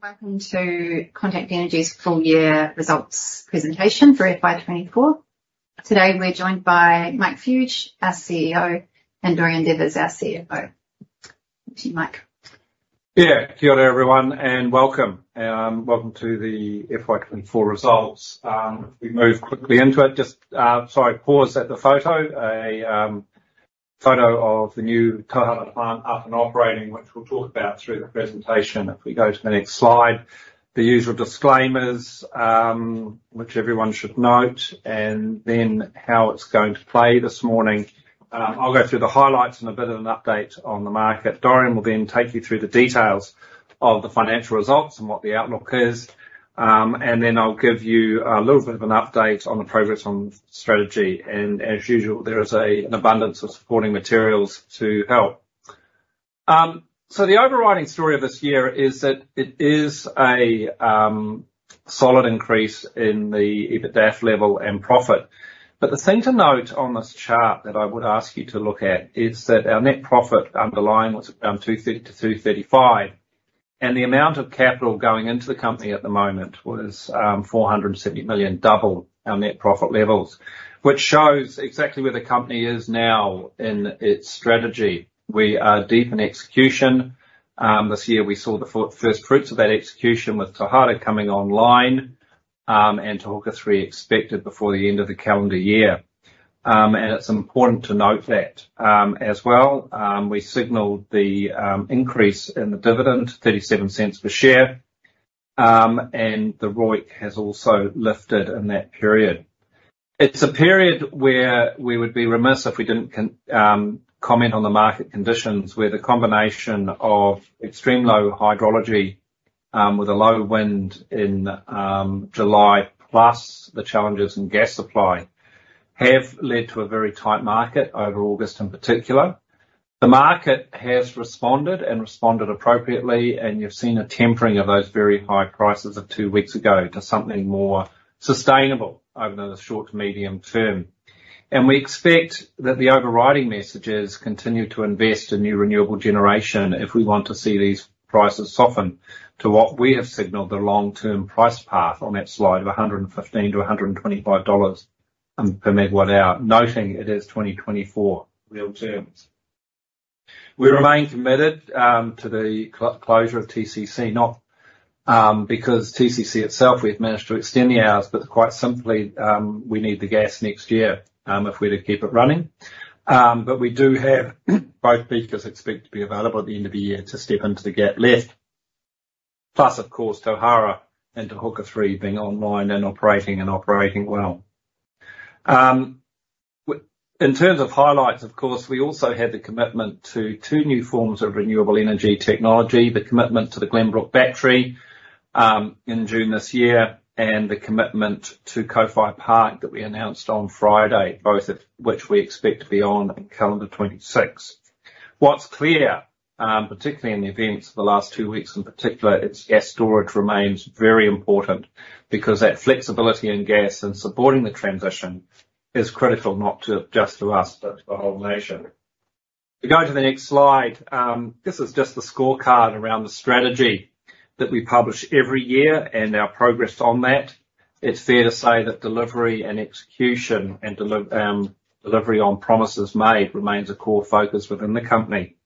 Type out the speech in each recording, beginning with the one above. Welcome to Contact Energy's full year results presentation for FY 2024. Today, we're joined by Mike Fuge, our CEO, and Dorian Devers, our CFO. To you, Mike. Yeah. Kia ora, everyone, and welcome. Welcome to the FY 2024 results. If we move quickly into it, sorry, pause at the photo. Photo of the new Tauhara plant up and operating, which we'll talk about through the presentation. If we go to the next slide, the usual disclaimers, which everyone should note, and then how it's going to play this morning. I'll go through the highlights and a bit of an update on the market. Dorian will then take you through the details of the financial results and what the outlook is, and then I'll give you a little bit of an update on the progress on strategy, and as usual, there is an abundance of supporting materials to help. So the overriding story of this year is that it is a solid increase in the EBITDAF level and profit. But the thing to note on this chart that I would ask you to look at is that our net profit underlying was 230-235, and the amount of capital going into the company at the moment was 470 million, double our net profit levels. Which shows exactly where the company is now in its strategy. We are deep in execution. This year we saw the first fruits of that execution with Tauhara coming online, and Te Huka 3 expected before the end of the calendar year. And it's important to note that, as well, we signaled the increase in the dividend, 0.37 per share, and the ROIC has also lifted in that period. It's a period where we would be remiss if we didn't comment on the market conditions, where the combination of extreme low hydrology, with a low wind in July, plus the challenges in gas supply, have led to a very tight market over August in particular. The market has responded and responded appropriately, and you've seen a tempering of those very high prices of two weeks ago to something more sustainable over the short to medium term. We expect that the overriding messages continue to invest in new renewable generation if we want to see these prices soften to what we have signaled the long-term price path on that slide of 115-125 dollars per megawatt hour, noting it is 2024 real terms. We remain committed to the closure of TCC, not because TCC itself, we've managed to extend the hours, but quite simply, we need the gas next year if we're to keep it running. But we do have both peakers expect to be available at the end of the year to step into the gap left. Plus, of course, Tauhara and Te Huka 3 being online and operating, and operating well. In terms of highlights, of course, we also have the commitment to two new forms of renewable energy technology: the commitment to the Glenbrook Battery in June this year, and the commitment to Kowhai Park that we announced on Friday, both of which we expect to be on in calendar 2026. What's clear, particularly in the events of the last two weeks in particular, is gas storage remains very important because that flexibility in gas and supporting the transition is critical, not just to us, but to the whole nation. We go to the next slide. This is just the scorecard around the strategy that we publish every year and our progress on that. It's fair to say that delivery and execution, delivery on promises made remains a core focus within the company.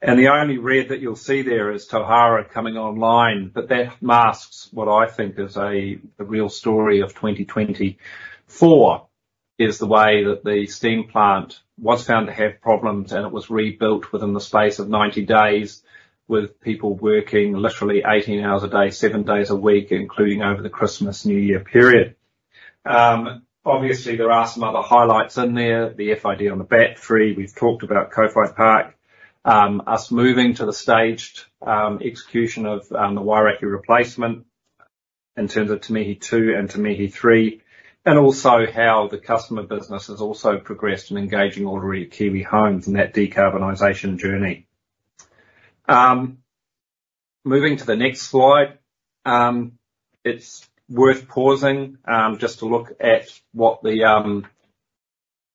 The only red that you'll see there is Tauhara coming online, but that masks what I think is the real story of 2024, is the way that the steam plant was found to have problems, and it was rebuilt within the space of 90 days, with people working literally 18 hours a day, seven days a week, including over the Christmas, New Year period. Obviously, there are some other highlights in there. The FID on the battery. We've talked about Kowhai Park. Us moving to the staged execution of the Wairakei replacement in terms of Te Mihi 2 and Te Mihi 3, and also how the customer business has also progressed in engaging ordinary Kiwi homes in that decarbonization journey. Moving to the next slide. It's worth pausing just to look at what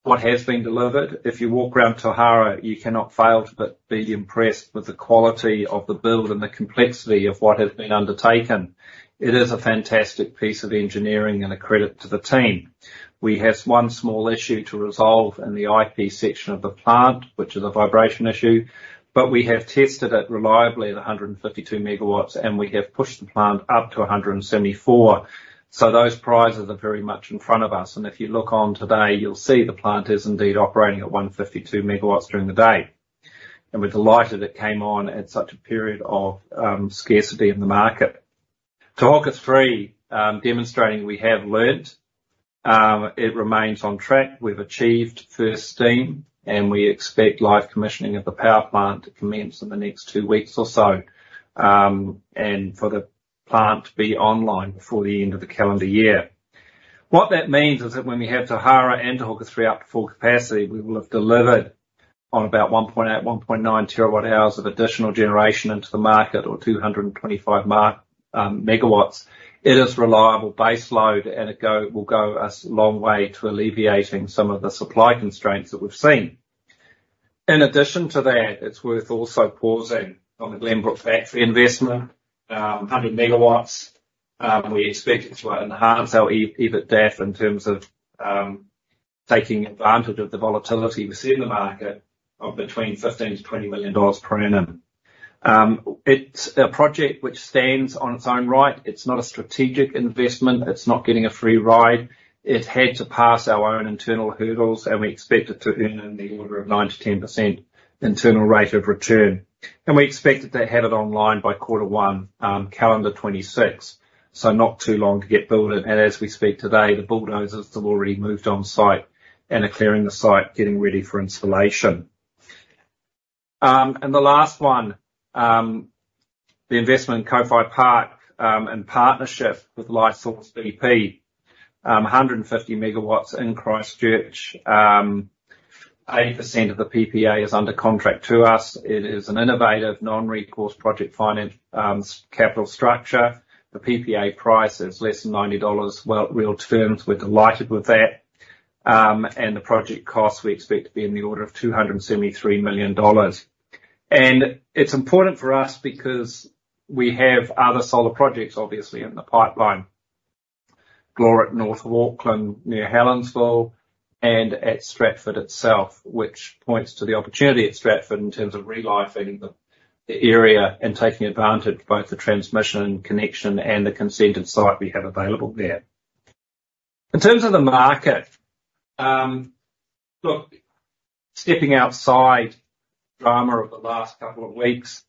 has been delivered. If you walk around Tauhara, you cannot fail to but be impressed with the quality of the build and the complexity of what has been undertaken. It is a fantastic piece of engineering and a credit to the team. We have one small issue to resolve in the IP section of the plant, which is a vibration issue, but we have tested it reliably at 152 MW, and we have pushed the plant up to 174 MW. So those prices are very much in front of us, and if you look online today, you'll see the plant is indeed operating at 152 MW during the day. We're delighted it came on at such a period of scarcity in the market. Te Huka 3, demonstrating we have learned, it remains on track. We've achieved first steam, and we expect live commissioning of the power plant to commence in the next two weeks or so, and for the plant to be online before the end of the calendar year. What that means is that when we have Tauhara and Te Huka 3 up to full capacity, we will have delivered on about 1.8 TWh-1.9 TWh of additional generation into the market or 225 MW. It is reliable base load, and it will go a long way to alleviating some of the supply constraints that we've seen. In addition to that, it's worth also pausing on the Glenbrook Battery investment, 100 MW. We expect it to enhance our EBITDA in terms of taking advantage of the volatility we see in the market of between 15 million-20 million dollars per annum. It's a project which stands on its own right. It's not a strategic investment. It's not getting a free ride. It had to pass our own internal hurdles, and we expect it to earn in the order of 9%-10% internal rate of return. And we expected to have it online by quarter one, calendar 2026, so not too long to get built in. And as we speak today, the bulldozers have already moved on site and are clearing the site, getting ready for installation. And the last one, the investment in Kowhai Park, in partnership with Lightsource BP, 150 MW in Christchurch. 80% of the PPA is under contract to us. It is an innovative, non-recourse project finance capital structure. The PPA price is less than 90 dollars real terms. We're delighted with that. The project cost, we expect to be in the order of 273 million dollars. It's important for us because we have other solar projects, obviously, in the pipeline. Glorit, north of Auckland, near Helensville, and at Stratford itself, which points to the opportunity at Stratford in terms of revitalizing the area and taking advantage of both the transmission connection and the consented site we have available there. In terms of the market, look, stepping outside drama of the last couple of weeks,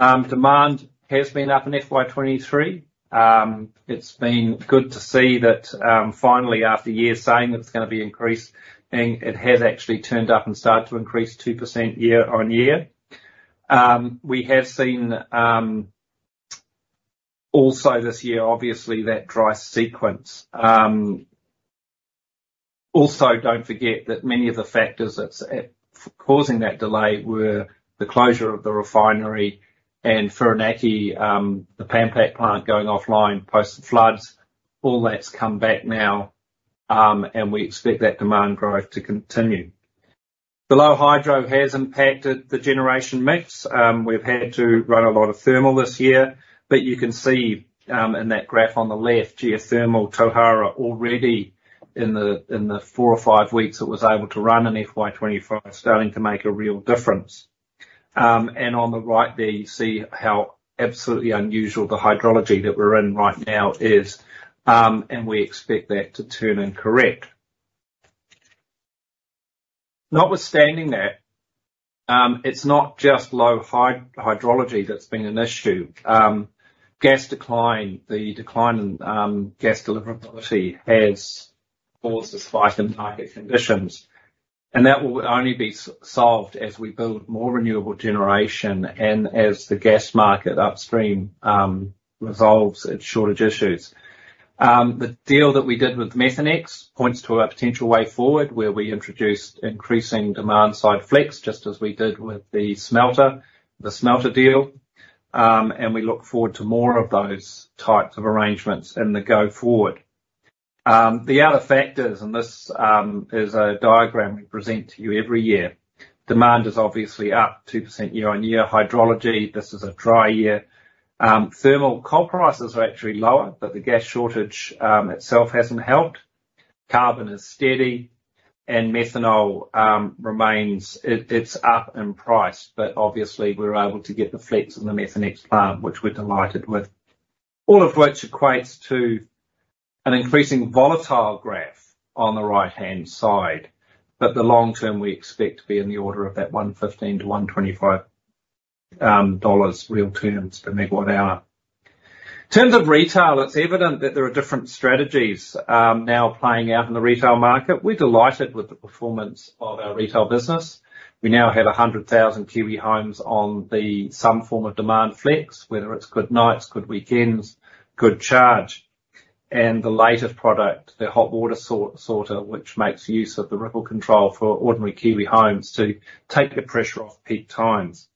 demand has been up in FY 2023. It's been good to see that, finally, after years saying that it's gonna be increased, and it has actually turned up and started to increase 2% year-on-year. We have seen, also this year, obviously, that dry sequence. Also, don't forget that many of the factors that's causing that delay were the closure of the refinery and Whirinaki, the Pan Pac plant going offline post the floods. All that's come back now, and we expect that demand growth to continue. The low hydro has impacted the generation mix. We've had to run a lot of thermal this year, but you can see, in that graph on the left, geothermal Tauhara already in the four or five weeks it was able to run in FY 2025, starting to make a real difference. And on the right there, you see how absolutely unusual the hydrology that we're in right now is, and we expect that to turn and correct. Notwithstanding that, it's not just low hydrology that's been an issue. Gas decline, the decline in gas deliverability has caused this spike in market conditions, and that will only be solved as we build more renewable generation and as the gas market upstream resolves its shortage issues. The deal that we did with Methanex points to a potential way forward, where we introduced increasing demand-side flex, just as we did with the smelter, the smelter deal. And we look forward to more of those types of arrangements in the go forward. The other factors, and this is a diagram we present to you every year. Demand is obviously up 2% year-on-year. Hydrology, this is a dry year. Thermal, coal prices are actually lower, but the gas shortage itself hasn't helped. Carbon is steady, and methanol remains. It's up in price, but obviously, we're able to get the flex in the Methanex plant, which we're delighted with. All of which equates to an increasing volatile graph on the right-hand side, but the long term, we expect to be in the order of that 115 to 125 dollars real terms per megawatt hour. In terms of retail, it's evident that there are different strategies now playing out in the retail market. We're delighted with the performance of our retail business. We now have 100,000 Kiwi homes on some form of demand flex, whether it's Good Nights, Good Weekends, Good Charge, and the latest product, the Hot Water Sorter, which makes use of the ripple control for ordinary Kiwi homes to take the pressure off peak times.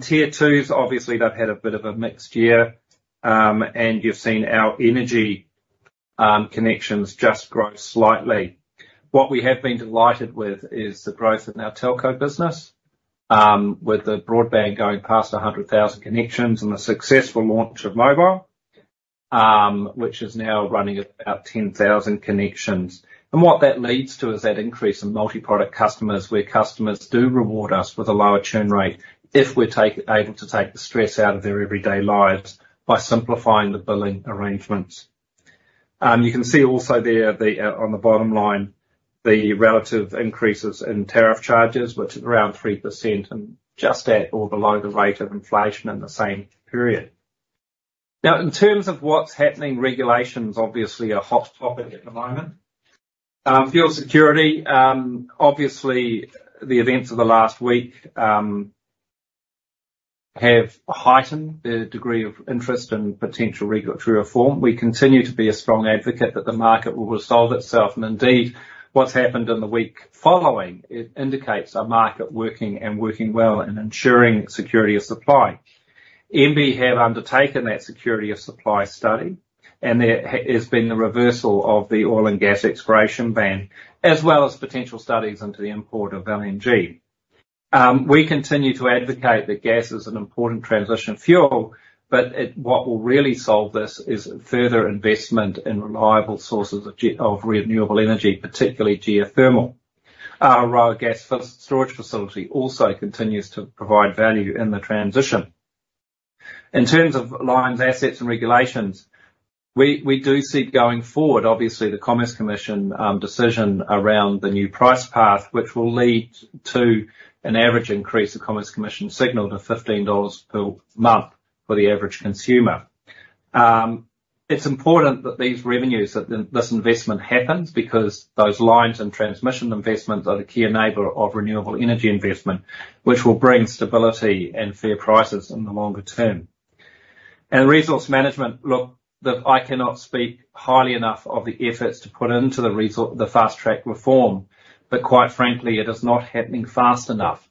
Tier 2, obviously, they've had a bit of a mixed year, and you've seen our energy connections just grow slightly. What we have been delighted with is the growth in our telco business, with the broadband going past 100,000 connections and the successful launch of mobile, which is now running at about 10,000 connections. What that leads to is that increase in multi-product customers, where customers do reward us with a lower churn rate if we're able to take the stress out of their everyday lives by simplifying the billing arrangements. You can see also there, on the bottom line, the relative increases in tariff charges, which is around 3% and just at or below the rate of inflation in the same period. Now, in terms of what's happening, regulations obviously are a hot topic at the moment. Fuel security obviously, the events of the last week have heightened the degree of interest in potential regulatory reform. We continue to be a strong advocate that the market will resolve itself, and indeed, what's happened in the week following, it indicates a market working and working well in ensuring security of supply. MBIE have undertaken that security of supply study, and there has been the reversal of the oil and gas exploration ban, as well as potential studies into the import of LNG. We continue to advocate that gas is an important transition fuel, but what will really solve this is further investment in reliable sources of renewable energy, particularly geothermal. Our Ahuroa gas storage facility also continues to provide value in the transition. In terms of lines, assets, and regulations, we do see going forward, obviously, the Commerce Commission decision around the new price path, which will lead to an average increase, the Commerce Commission signaled, of 15 dollars per month for the average consumer. It's important that these revenues, that this investment happens, because those lines and transmission investments are the key enabler of renewable energy investment, which will bring stability and fair prices in the longer term. And resource management, look, I cannot speak highly enough of the efforts put into the fast-track reform, but quite frankly, it is not happening fast enough.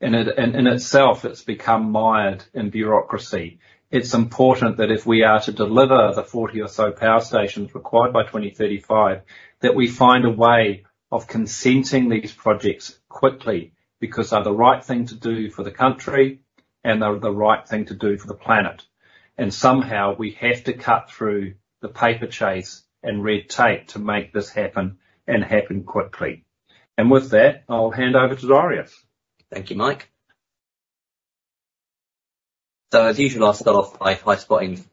And in itself, it's become mired in bureaucracy. It's important that if we are to deliver the 40 or so power stations required by 2035, that we find a way of consenting these projects quickly, because they're the right thing to do for the country, and they're the right thing to do for the planet. And somehow, we have to cut through the paper chase and red tape to make this happen, and happen quickly. With that, I'll hand over to Dorian. Thank you, Mike. So as usual, I'll start off by highlighting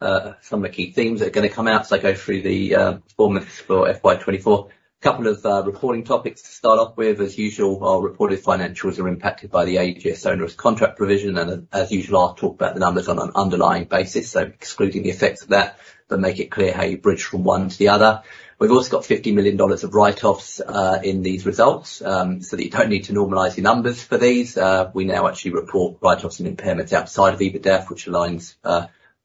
some of the key themes that are gonna come out as I go through the performance for FY 2024. A couple of reporting topics to start off with. As usual, our reported financials are impacted by the AGS onerous contract provision, and as usual, I'll talk about the numbers on an underlying basis, so excluding the effects of that, but make it clear how you bridge from one to the other. We've also got 50 million dollars of write-offs in these results, so you don't need to normalize your numbers for these. We now actually report write-offs and impairments outside of EBITDA, which aligns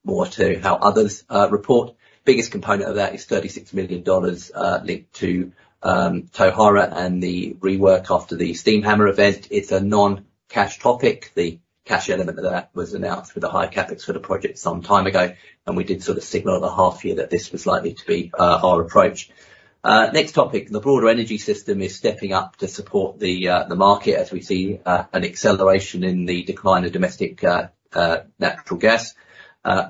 more to how others report. Biggest component of that is 36 million dollars linked to Tauhara and the rework after the steam hammer event. It's a non-cash topic. The cash element of that was announced with the high CapEx for the project some time ago, and we did sort of signal at the half year that this was likely to be our approach. Next topic, the broader energy system is stepping up to support the market as we see an acceleration in the decline of domestic natural gas.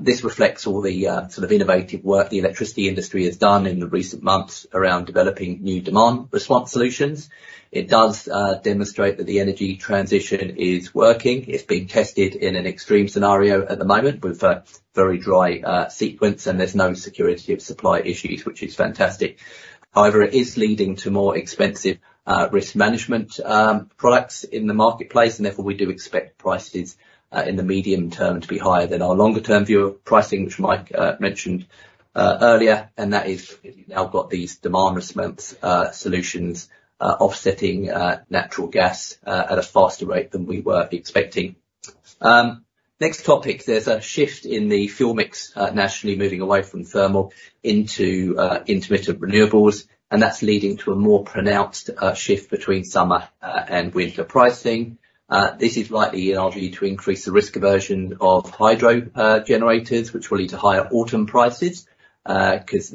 This reflects all the sort of innovative work the electricity industry has done in the recent months around developing new demand response solutions. It does demonstrate that the energy transition is working. It's being tested in an extreme scenario at the moment, with a very dry sequence, and there's no security of supply issues, which is fantastic. However, it is leading to more expensive risk management products in the marketplace, and therefore, we do expect prices in the medium term to be higher than our longer-term view of pricing, which Mike mentioned earlier, and that is, we've now got these demand response solutions offsetting natural gas at a faster rate than we were expecting. Next topic, there's a shift in the fuel mix nationally, moving away from thermal into intermittent renewables, and that's leading to a more pronounced shift between summer and winter pricing. This is likely, in our view, to increase the risk aversion of hydro generators, which will lead to higher autumn prices because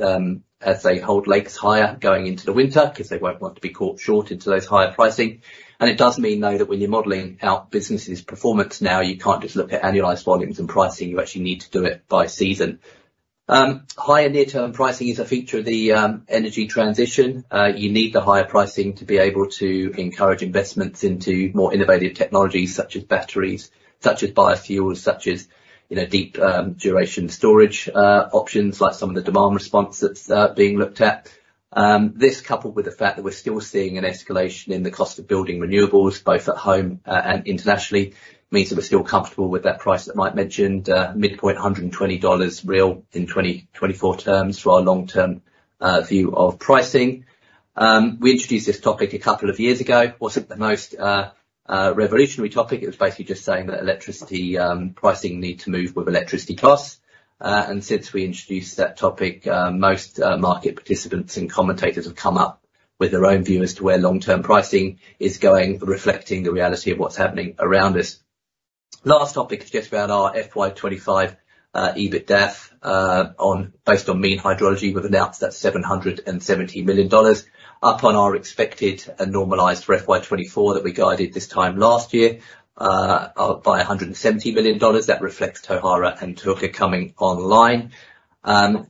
as they hold lakes higher going into the winter, because they won't want to be caught short into those higher pricing. And it does mean, though, that when you're modeling out businesses' performance, now you can't just look at annualized volumes and pricing, you actually need to do it by season. Higher near-term pricing is a feature of the energy transition. You need the higher pricing to be able to encourage investments into more innovative technologies such as batteries, such as biofuels, such as, you know, deep duration storage options, like some of the demand response that's being looked at. This, coupled with the fact that we're still seeing an escalation in the cost of building renewables, both at home and internationally, means that we're still comfortable with that price that Mike mentioned, midpoint 120 dollars real in 2024 terms for our long-term view of pricing. We introduced this topic a couple of years ago. It wasn't the most revolutionary topic. It was basically just saying that electricity pricing need to move with electricity costs. And since we introduced that topic, most market participants and commentators have come up with their own view as to where long-term pricing is going, reflecting the reality of what's happening around us. Last topic is just about our FY 2025 EBITDA, based on mean hydrology, we've announced that's 770 million dollars up on our expected and normalized for FY 2024 that we guided this time last year, by 170 million dollars. That reflects Tauhara and Te Huka 3 coming online. When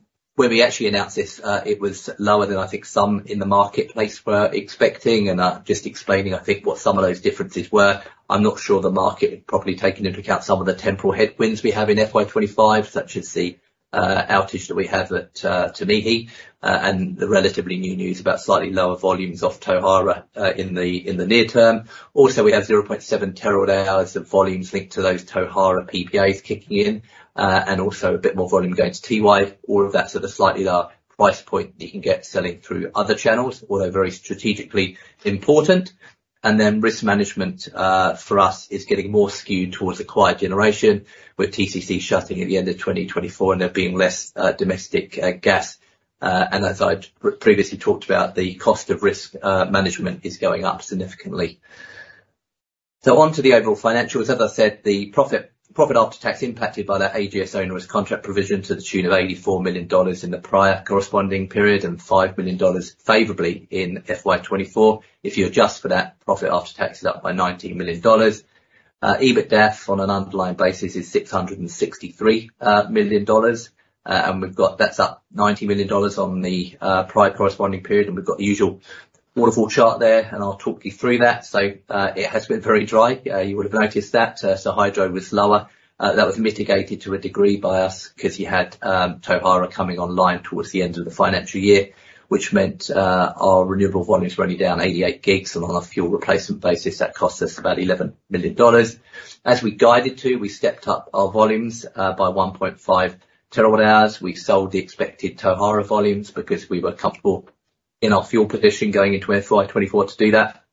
we actually announced this, it was lower than I think some in the marketplace were expecting, and I'm just explaining, I think, what some of those differences were. I'm not sure the market had properly taken into account some of the temporal headwinds we have in FY 2025, such as the outage that we had at Te Mihi, and the relatively new news about slightly lower volumes of Tauhara in the near term. Also, we have 0.7 TWh of volumes linked to those Tauhara PPAs kicking in, and also a bit more volume going to Tiwai. All of that sort of slightly lower price point you can get selling through other channels, although very strategically important. And then risk management for us is getting more skewed towards acquired generation, with TCC shutting at the end of 2024 and there being less domestic gas. And as I'd previously talked about, the cost of risk management is going up significantly. So on to the overall financials. As I said, the profit, profit after tax impacted by that onerous contract provision to the tune of 84 million dollars in the prior corresponding period, and 5 million dollars favorably in FY 2024. If you adjust for that, profit after tax is up by 19 million dollars. EBITDA on an underlying basis is 663 million dollars, and we've got that's up 90 million dollars on the prior corresponding period, and we've got the usual waterfall chart there, and I'll talk you through that. So, it has been very dry. You would have noticed that, so hydro was lower. That was mitigated to a degree by us because you had Tauhara coming online towards the end of the financial year, which meant our renewable volumes were only down 88 GWh. On a fuel replacement basis, that cost us about 11 million dollars. As we guided to, we stepped up our volumes by 1.5 TWh. We sold the expected Tauhara volumes because we were comfortable in our fuel position going into FY 2024 to do that.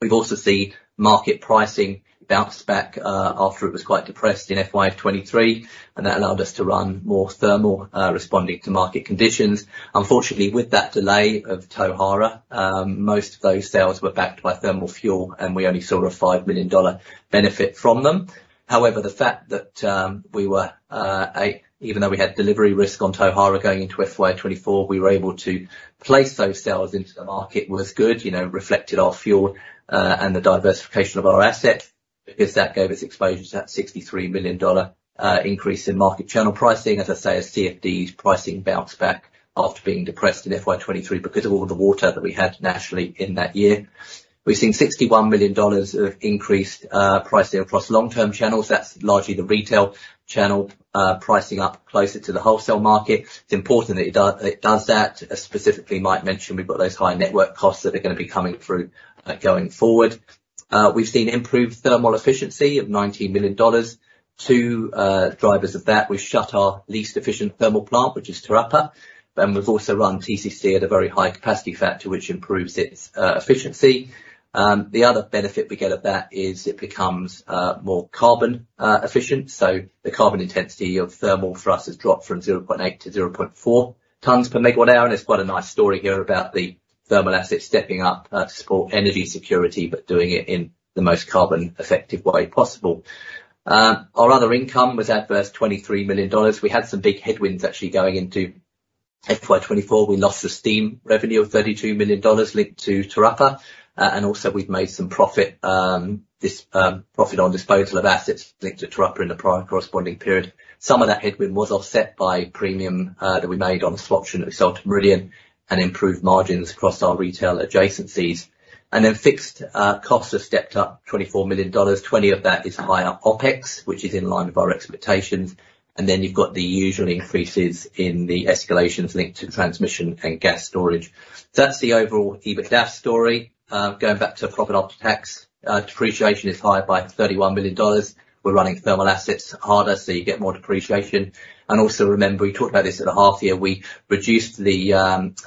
We've also seen market pricing bounce back after it was quite depressed in FY 2023, and that allowed us to run more thermal responding to market conditions. Unfortunately, with that delay of Tauhara, most of those sales were backed by thermal fuel, and we only saw a 5 million dollar benefit from them. However, the fact that we were even though we had delivery risk on Tauhara going into FY 2024, we were able to place those sales into the market was good, you know, reflected our fuel and the diversification of our assets because that gave us exposure to that NZD 63 million increase in market channel pricing. As I say, as CFDs pricing bounced back after being depressed in FY 2023 because of all the water that we had nationally in that year. We've seen 61 million dollars of increased pricing across long-term channels. That's largely the retail channel pricing up closer to the wholesale market. It's important that it does that. Specifically, Mike mentioned we've got those high network costs that are gonna be coming through going forward. We've seen improved thermal efficiency of 19 million dollars. Two, drivers of that, we've shut our least efficient thermal plant, which is Te Rapa, and we've also run TCC at a very high capacity factor, which improves its, efficiency. The other benefit we get of that is it becomes, more carbon, efficient. So the carbon intensity of thermal for us has dropped from 0.8 to 0.4 tons per megawatt hour, and it's quite a nice story here about the thermal assets stepping up, to support energy security, but doing it in the most carbon-effective way possible. Our other income was adverse, 23 million dollars. We had some big headwinds actually going into FY 2024. We lost the steam revenue of 32 million dollars linked to Te Rapa, and also we've made some profit, profit on disposal of assets linked to Te Rapa in the prior corresponding period. Some of that headwind was offset by premium that we made on a swap option that we sold to Meridian and improved margins across our retail adjacencies. And then fixed costs have stepped up 24 million dollars. 20 million of that is higher OpEx, which is in line with our expectations, and then you've got the usual increases in the escalations linked to transmission and gas storage. So that's the overall EBITDA story. Going back to profit after tax, depreciation is higher by 31 million dollars. We're running thermal assets harder, so you get more depreciation. And also remember, we talked about this at the half year, we reduced the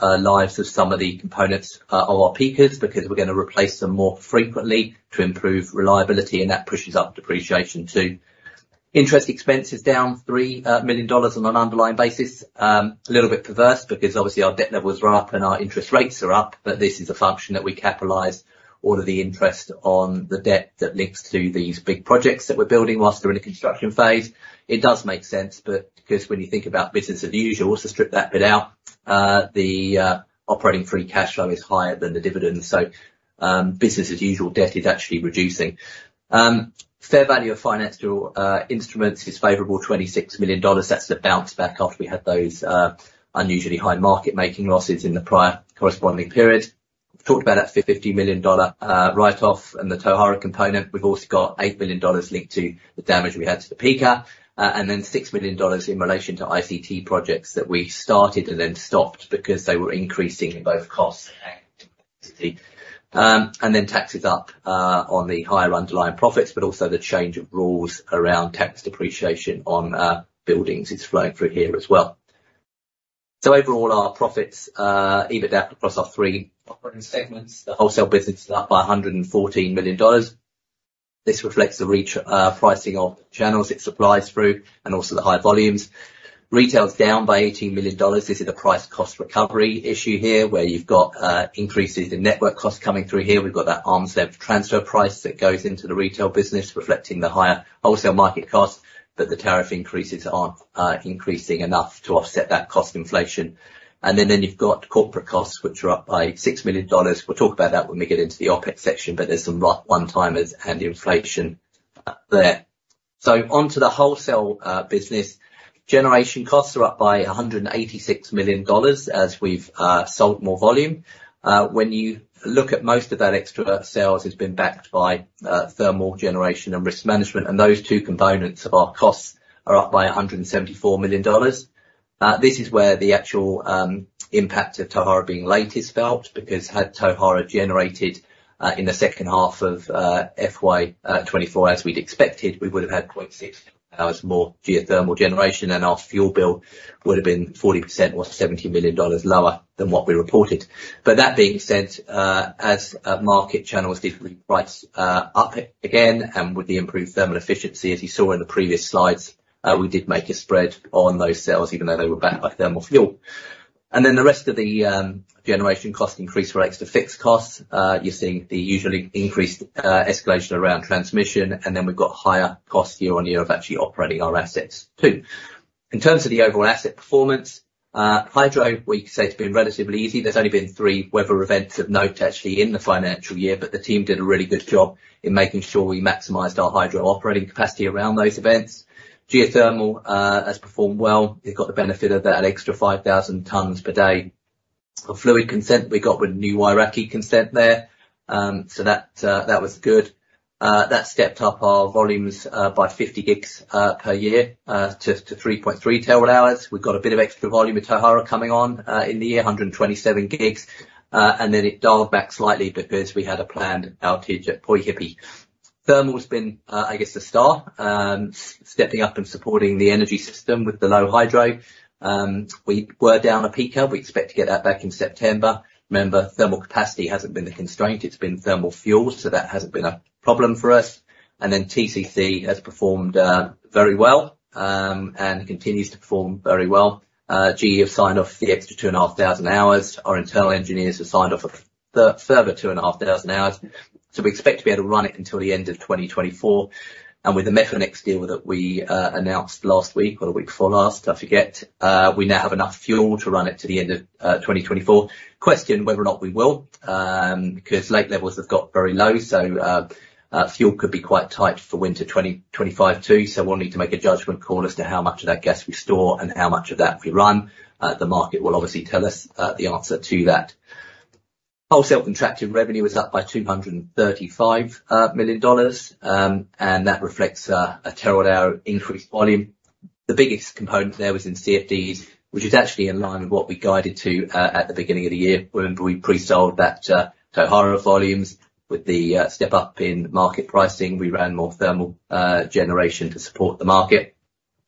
lives of some of the components of our peakers because we're gonna replace them more frequently to improve reliability, and that pushes up depreciation, too. Interest expense is down 3 million dollars on an underlying basis. A little bit perverse, because obviously our debt levels are up and our interest rates are up, but this is a function that we capitalize all of the interest on the debt that links to these big projects that we're building whilst they're in the construction phase. It does make sense, but because when you think about business as usual, also strip that bit out, the operating free cash flow is higher than the dividend, so business as usual, debt is actually reducing. Fair value of financial instruments is favorable, 26 million dollars. That's the bounce back after we had those unusually high market making losses in the prior corresponding period. Talked about that 50 million dollar write-off and the Tauhara component. We've also got 8 million dollars linked to the damage we had to the pipe, and then 6 million dollars in relation to ICT projects that we started and then stopped because they were increasing in both costs and activity. And then tax is up on the higher underlying profits, but also the change of rules around tax depreciation on buildings. It's flowing through here as well. So overall, our profits, EBITDA across our three operating segments, the wholesale business is up by 114 million dollars. This reflects the re-pricing of channels it supplies through and also the high volumes. Retail is down by 18 million dollars. This is a price cost recovery issue here, where you've got increases in network costs coming through here. We've got that arm's length transfer price that goes into the retail business, reflecting the higher wholesale market costs, but the tariff increases aren't increasing enough to offset that cost inflation, and then you've got corporate costs, which are up by 6 million dollars. We'll talk about that when we get into the OpEx section, but there's some one-timers and inflation there, so onto the wholesale business. Generation costs are up by 186 million dollars as we've sold more volume. When you look at most of that extra sales has been backed by thermal generation and risk management, and those two components of our costs are up by 174 million dollars. This is where the actual impact of Tauhara being late is felt, because had Tauhara generated in the second half of FY 2024 as we'd expected, we would have had 0.6 TWh more geothermal generation, and our fuel bill would have been 40% or 70 million dollars lower than what we reported, but that being said, as market channels differently price up again, and with the improved thermal efficiency, as you saw in the previous slides, we did make a spread on those sales, even though they were backed by thermal fuel, and then the rest of the generation cost increase relates to fixed costs. You're seeing the usually increased escalation around transmission, and then we've got higher costs year-on-year of actually operating our assets, too. In terms of the overall asset performance, hydro, we can say it's been relatively easy. There's only been three weather events of note, actually, in the financial year, but the team did a really good job in making sure we maximized our hydro operating capacity around those events. Geothermal, has performed well. They've got the benefit of that extra 5,000 tons per day of fluid consent we got with the new Wairakei consent there. So that was good. That stepped up our volumes by 50 GWh per year to 3.3 TWh. We've got a bit of extra volume with Tauhara coming on in the year, 127 GWh, and then it dialed back slightly because we had a planned outage at Poihipi. Thermal's been, I guess, the star, stepping up and supporting the energy system with the low hydro. We were down a peaker. We expect to get that back in September. Remember, thermal capacity hasn't been the constraint, it's been thermal fuel, so that hasn't been a problem for us. And then TCC has performed, very well, and continues to perform very well. GE have signed off the extra 2500 hours. Our internal engineers have signed off a further 2500 hours. So we expect to be able to run it until the end of 2024, and with the Methanex deal that we announced last week or the week before last, I forget, we now have enough fuel to run it to the end of 2024. Question whether or not we will, because lake levels have got very low, so, fuel could be quite tight for winter 2025, too, so we'll need to make a judgment call as to how much of that gas we store and how much of that we run. The market will obviously tell us, the answer to that. Wholesale contracted revenue was up by 235 million dollars, and that reflects a terawatt hour increased volume. The biggest component there was in CFDs, which is actually in line with what we guided to, at the beginning of the year, when we pre-sold that, Tauhara volumes. With the step up in market pricing, we ran more thermal generation to support the market.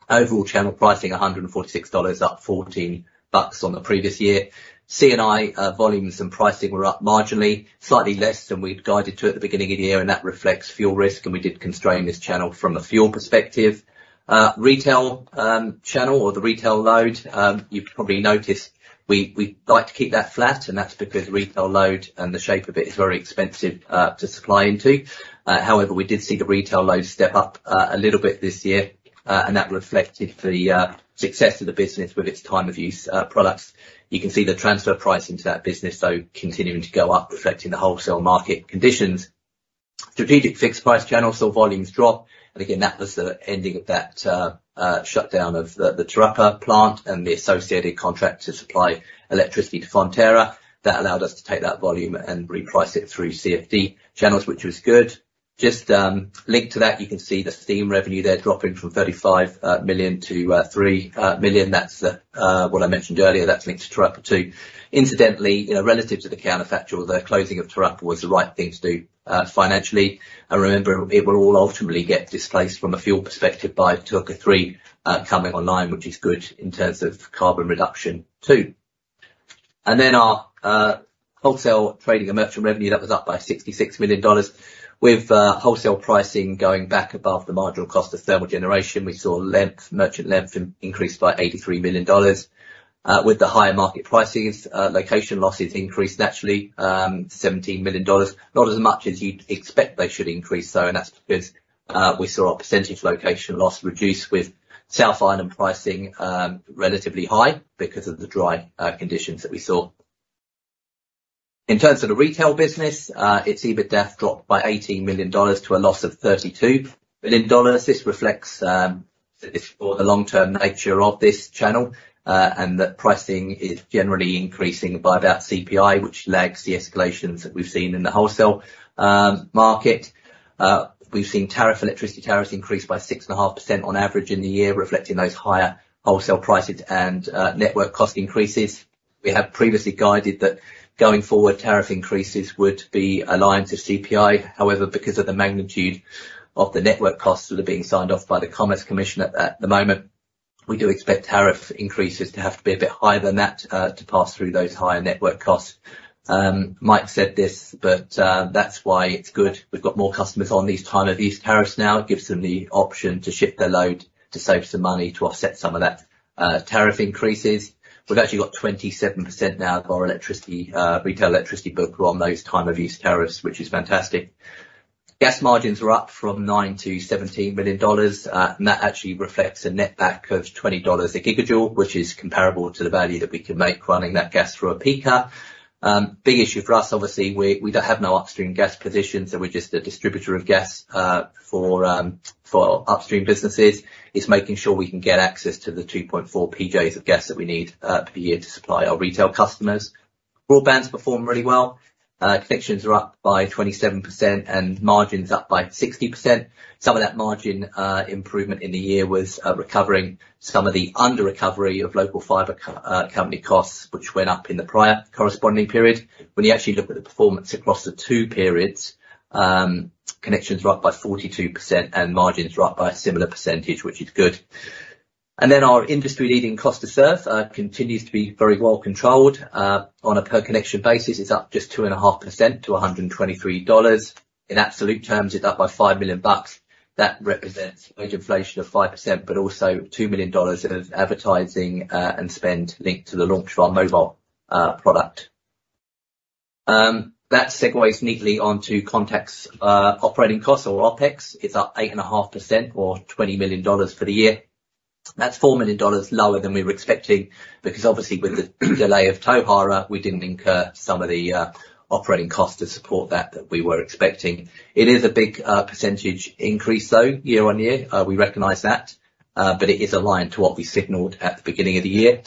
Overall channel pricing, 146 dollars, up 14 bucks on the previous year. C&I, volumes and pricing were up marginally, slightly less than we'd guided to at the beginning of the year, and that reflects fuel risk, and we did constrain this channel from a fuel perspective. Retail, channel or the retail load, you've probably noticed we like to keep that flat, and that's because retail load and the shape of it is very expensive, to supply into. However, we did see the retail load step up, a little bit this year, and that reflected the, success of the business with its time of use, products. You can see the transfer pricing to that business, though, continuing to go up, reflecting the wholesale market conditions. Strategic fixed price channel saw volumes drop, and again, that was the ending of that, shutdown of the Te Rapa plant and the associated contract to supply electricity to Fonterra. That allowed us to take that volume and reprice it through CFD channels, which was good. Just, linked to that, you can see the steam revenue there dropping from 35 million to 3 million. That's what I mentioned earlier, that's linked to Te Rapa, too. Incidentally, you know, relative to the counterfactual, the closing of Te Rapa was the right thing to do, financially. And remember, it will all ultimately get displaced from a fuel perspective by Te Huka 3 coming online, which is good in terms of carbon reduction, too. And then our wholesale trading and merchant revenue, that was up by 66 million dollars. With wholesale pricing going back above the marginal cost of thermal generation, we saw merchant length increase by 83 million dollars. With the higher market pricings, location losses increased naturally, 17 million dollars. Not as much as you'd expect they should increase, though, and that's because we saw our percentage location loss reduce with South Island pricing, relatively high because of the dry conditions that we saw. In terms of the retail business, its EBITDA dropped by 18 million dollars to a loss of 32 million dollars. This reflects the long-term nature of this channel, and that pricing is generally increasing by about CPI, which lags the escalations that we've seen in the wholesale market. We've seen tariff, electricity tariffs increase by 6.5% on average in the year, reflecting those higher wholesale prices and network cost increases. We have previously guided that going forward, tariff increases would be aligned to CPI. However, because of the magnitude of the network costs that are being signed off by the Commerce Commission at the moment, we do expect tariff increases to have to be a bit higher than that to pass through those higher network costs. Mike said this, but that's why it's good we've got more customers on these time of use tariffs now. It gives them the option to shift their load, to save some money, to offset some of that tariff increases. We've actually got 27% now of our electricity retail electricity book are on those time of use tariffs, which is fantastic. Gas margins were up from 9 million to 17 million dollars, and that actually reflects a netback of 20 dollars/GJ, which is comparable to the value that we can make running that gas through a peaker. Big issue for us, obviously, we don't have no upstream gas position, so we're just a distributor of gas for upstream businesses. It's making sure we can get access to the 2.4 PJs of gas that we need per year to supply our retail customers. Broadband's performed really well. Connections are up by 27% and margins up by 60%. Some of that margin improvement in the year was recovering some of the underrecovery of local fiber company costs, which went up in the prior corresponding period. When you actually look at the performance across the two periods, connections are up by 42% and margins are up by a similar percentage, which is good. Our industry-leading cost to serve continues to be very well controlled. On a per-connection basis, it's up just 2.5% to 123 dollars. In absolute terms, it's up by 5 million bucks. That represents wage inflation of 5%, but also 2 million dollars of advertising and spend linked to the launch of our mobile product. That segues neatly onto Contact's operating costs, or OpEx. It's up 8.5%, or 20 million dollars for the year. That's 4 million dollars lower than we were expecting, because obviously, with the delay of Tauhara, we didn't incur some of the operating costs to support that we were expecting. It is a big percentage increase though, year-on-year. We recognize that, but it is aligned to what we signaled at the beginning of the year.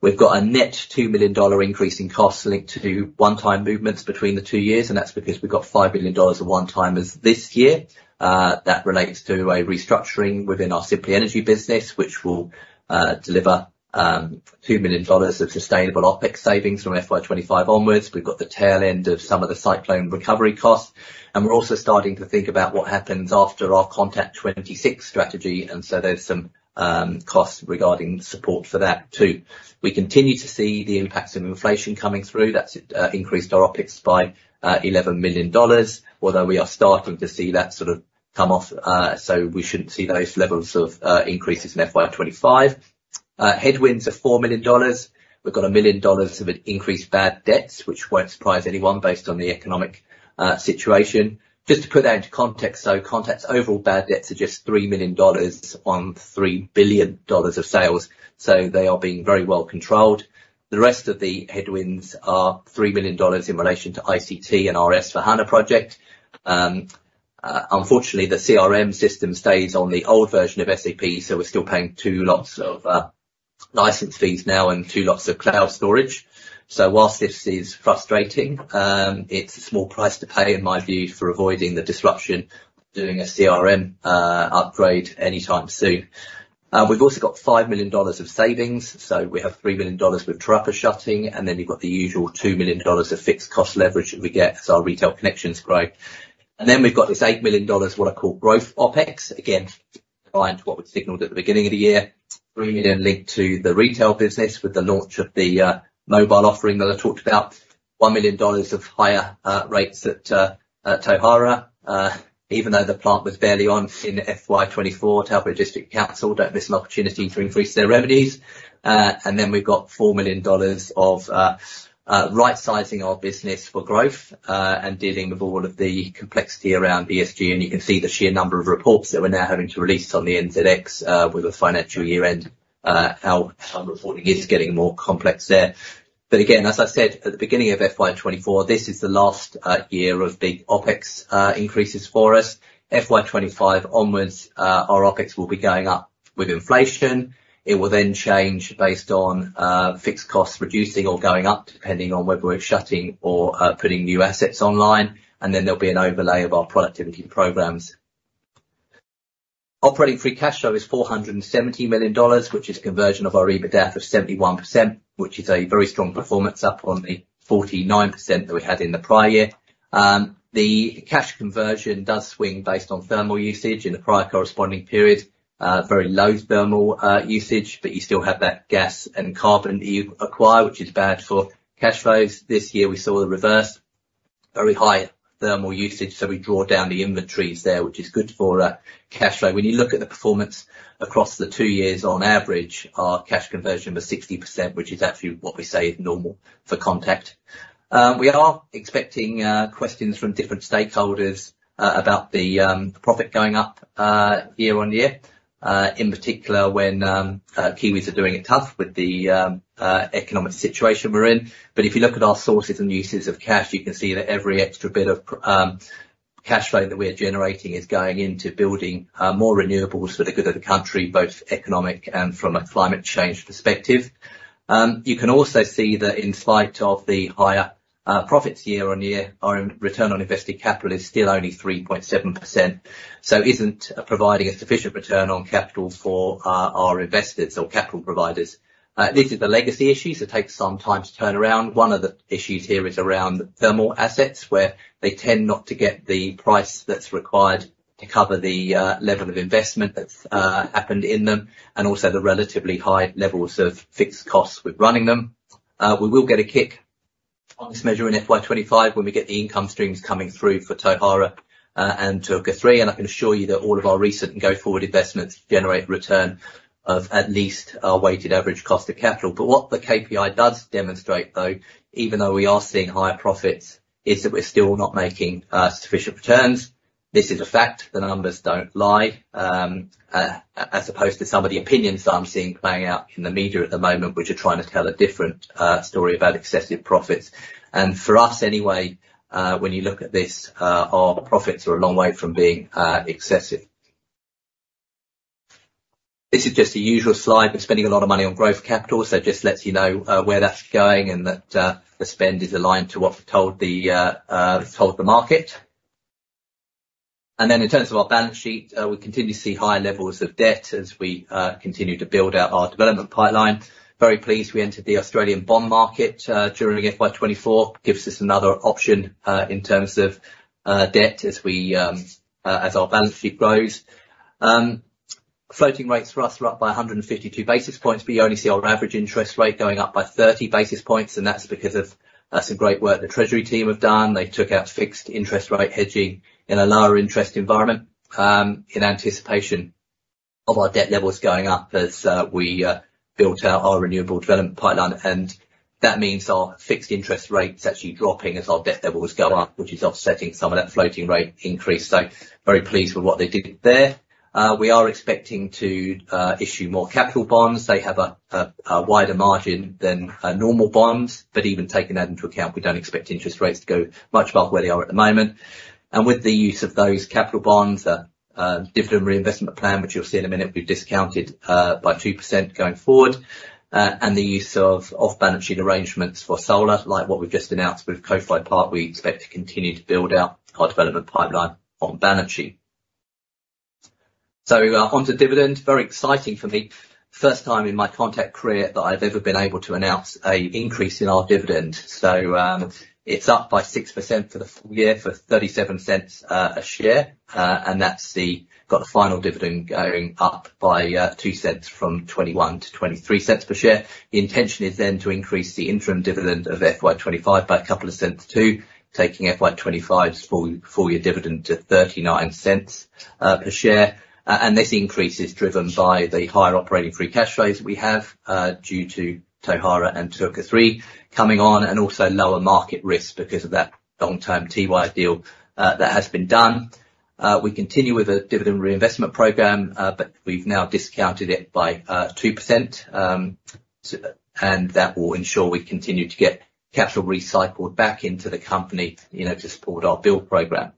We've got a net 2 million dollar increase in costs linked to one-time movements between the two years, and that's because we've got 5 million dollars of one-timers this year. That relates to a restructuring within our Simply Energy business, which will deliver 2 million dollars of sustainable OpEx savings from FY 2025 onwards. We've got the tail end of some of the cyclone recovery costs, and we're also starting to think about what happens after our Contact26 strategy, and so there's some costs regarding support for that, too. We continue to see the impacts of inflation coming through. That's increased our OpEx by 11 million dollars, although we are starting to see that sort of come off, so we shouldn't see those levels of increases in FY 2025. Headwinds are 4 million dollars. We've got 1 million dollars of increased bad debts, which won't surprise anyone based on the economic situation. Just to put that into context, so Contact's overall bad debts are just 3 million dollars on 3 billion dollars of sales, so they are being very well controlled. The rest of the headwinds are 3 million dollars in relation to ICT and our S/4HANA project. Unfortunately, the CRM system stays on the old version of SAP, so we're still paying two lots of license fees now and two lots of cloud storage. So while this is frustrating, it's a small price to pay, in my view, for avoiding the disruption of doing a CRM upgrade anytime soon. We've also got 5 million dollars of savings, so we have 3 million dollars with Te Rapa shutting, and then you've got the usual 2 million dollars of fixed cost leverage that we get as our retail connections grow. And then we've got this 8 million dollars, what I call growth OpEx, again, aligned to what we'd signaled at the beginning of the year. 3 million linked to the retail business with the launch of the mobile offering that I talked about. 1 million dollars of higher rates at Tauhara. Even though the plant was barely on in FY 2024, Taupō District Council don't miss an opportunity to increase their revenues, and then we've got 4 million dollars of right-sizing our business for growth, and dealing with all of the complexity around ESG, and you can see the sheer number of reports that we're now having to release on the NZX with the financial year end. Our reporting is getting more complex there, but again, as I said at the beginning of FY 2024, this is the last year of big OpEx increases for us. FY 2025 onwards, our OpEx will be going up with inflation. It will then change based on, fixed costs reducing or going up, depending on whether we're shutting or, putting new assets online, and then there'll be an overlay of our productivity programs. Operating free cash flow is 470 million dollars, which is conversion of our EBITDAF of 71%, which is a very strong performance, up on the 49% that we had in the prior year. The cash conversion does swing based on thermal usage. In the prior corresponding period, very low thermal, usage, but you still have that gas and carbon that you acquire, which is bad for cash flows. This year, we saw the reverse. Very high thermal usage, so we draw down the inventories there, which is good for, cash flow. When you look at the performance across the two years, on average, our cash conversion was 60%, which is actually what we say is normal for Contact. We are expecting questions from different stakeholders about the profit going up year-on-year, in particular when Kiwis are doing it tough with the economic situation we're in. But if you look at our sources and uses of cash, you can see that every extra bit of cash flow that we are generating is going into building more renewables for the good of the country, both economic and from a climate change perspective. You can also see that in spite of the higher profits year-on-year, our return on invested capital is still only 3.7%, so it isn't providing a sufficient return on capital for our investors or capital providers. These are the legacy issues that take some time to turn around. One of the issues here is around thermal assets, where they tend not to get the price that's required to cover the level of investment that's happened in them, and also the relatively high levels of fixed costs with running them. We will get a kick on this measure in FY 2025 when we get the income streams coming through for Tauhara and Te Huka 3, and I can assure you that all of our recent and go-forward investments generate a return of at least our weighted average cost of capital. But what the KPI does demonstrate, though, even though we are seeing higher profits, is that we're still not making sufficient returns. This is a fact. The numbers don't lie. As opposed to some of the opinions that I'm seeing playing out in the media at the moment, which are trying to tell a different story about excessive profits. And for us anyway, when you look at this, our profits are a long way from being excessive. This is just the usual slide. We're spending a lot of money on growth capital, so just lets you know where that's going and that the spend is aligned to what we told the market. Then in terms of our balance sheet, we continue to see high levels of debt as we continue to build out our development pipeline. Very pleased we entered the Australian bond market during FY 2024. Gives us another option in terms of debt as we as our balance sheet grows. Floating rates for us are up by 152 basis points, but you only see our average interest rate going up by 30 basis points, and that's because of some great work the treasury team have done. They took out fixed interest rate hedging in a lower interest environment in anticipation of our debt levels going up as we built out our renewable development pipeline, and that means our fixed interest rate is actually dropping as our debt levels go up, which is offsetting some of that floating rate increase. So very pleased with what they did there. We are expecting to issue more capital bonds. They have a wider margin than normal bonds, but even taking that into account, we don't expect interest rates to go much above where they are at the moment. And with the use of those capital bonds, dividend reinvestment plan, which you'll see in a minute, we've discounted by 2% going forward, and the use of off-balance sheet arrangements for solar, like what we've just announced with Kowhai Park, we expect to continue to build out our development pipeline on balance sheet. Onto dividend. Very exciting for me. First time in my Contact career that I've ever been able to announce an increase in our dividend. It's up by 6% for the full year, for 0.37 a share, and that's got the final dividend going up by 0.02 from 0.21 to 0.23 per share. The intention is then to increase the interim dividend of FY 2025 by a couple of cents, too, taking FY 2025's full year dividend to 0.39 per share. This increase is driven by the higher operating free cash flows we have, due to Tauhara and Te Huka 3 coming on, and also lower market risk because of that long-term Tiwai deal that has been done. We continue with a dividend reinvestment program, but we've now discounted it by 2%, and that will ensure we continue to get capital recycled back into the company, you know, to support our build program.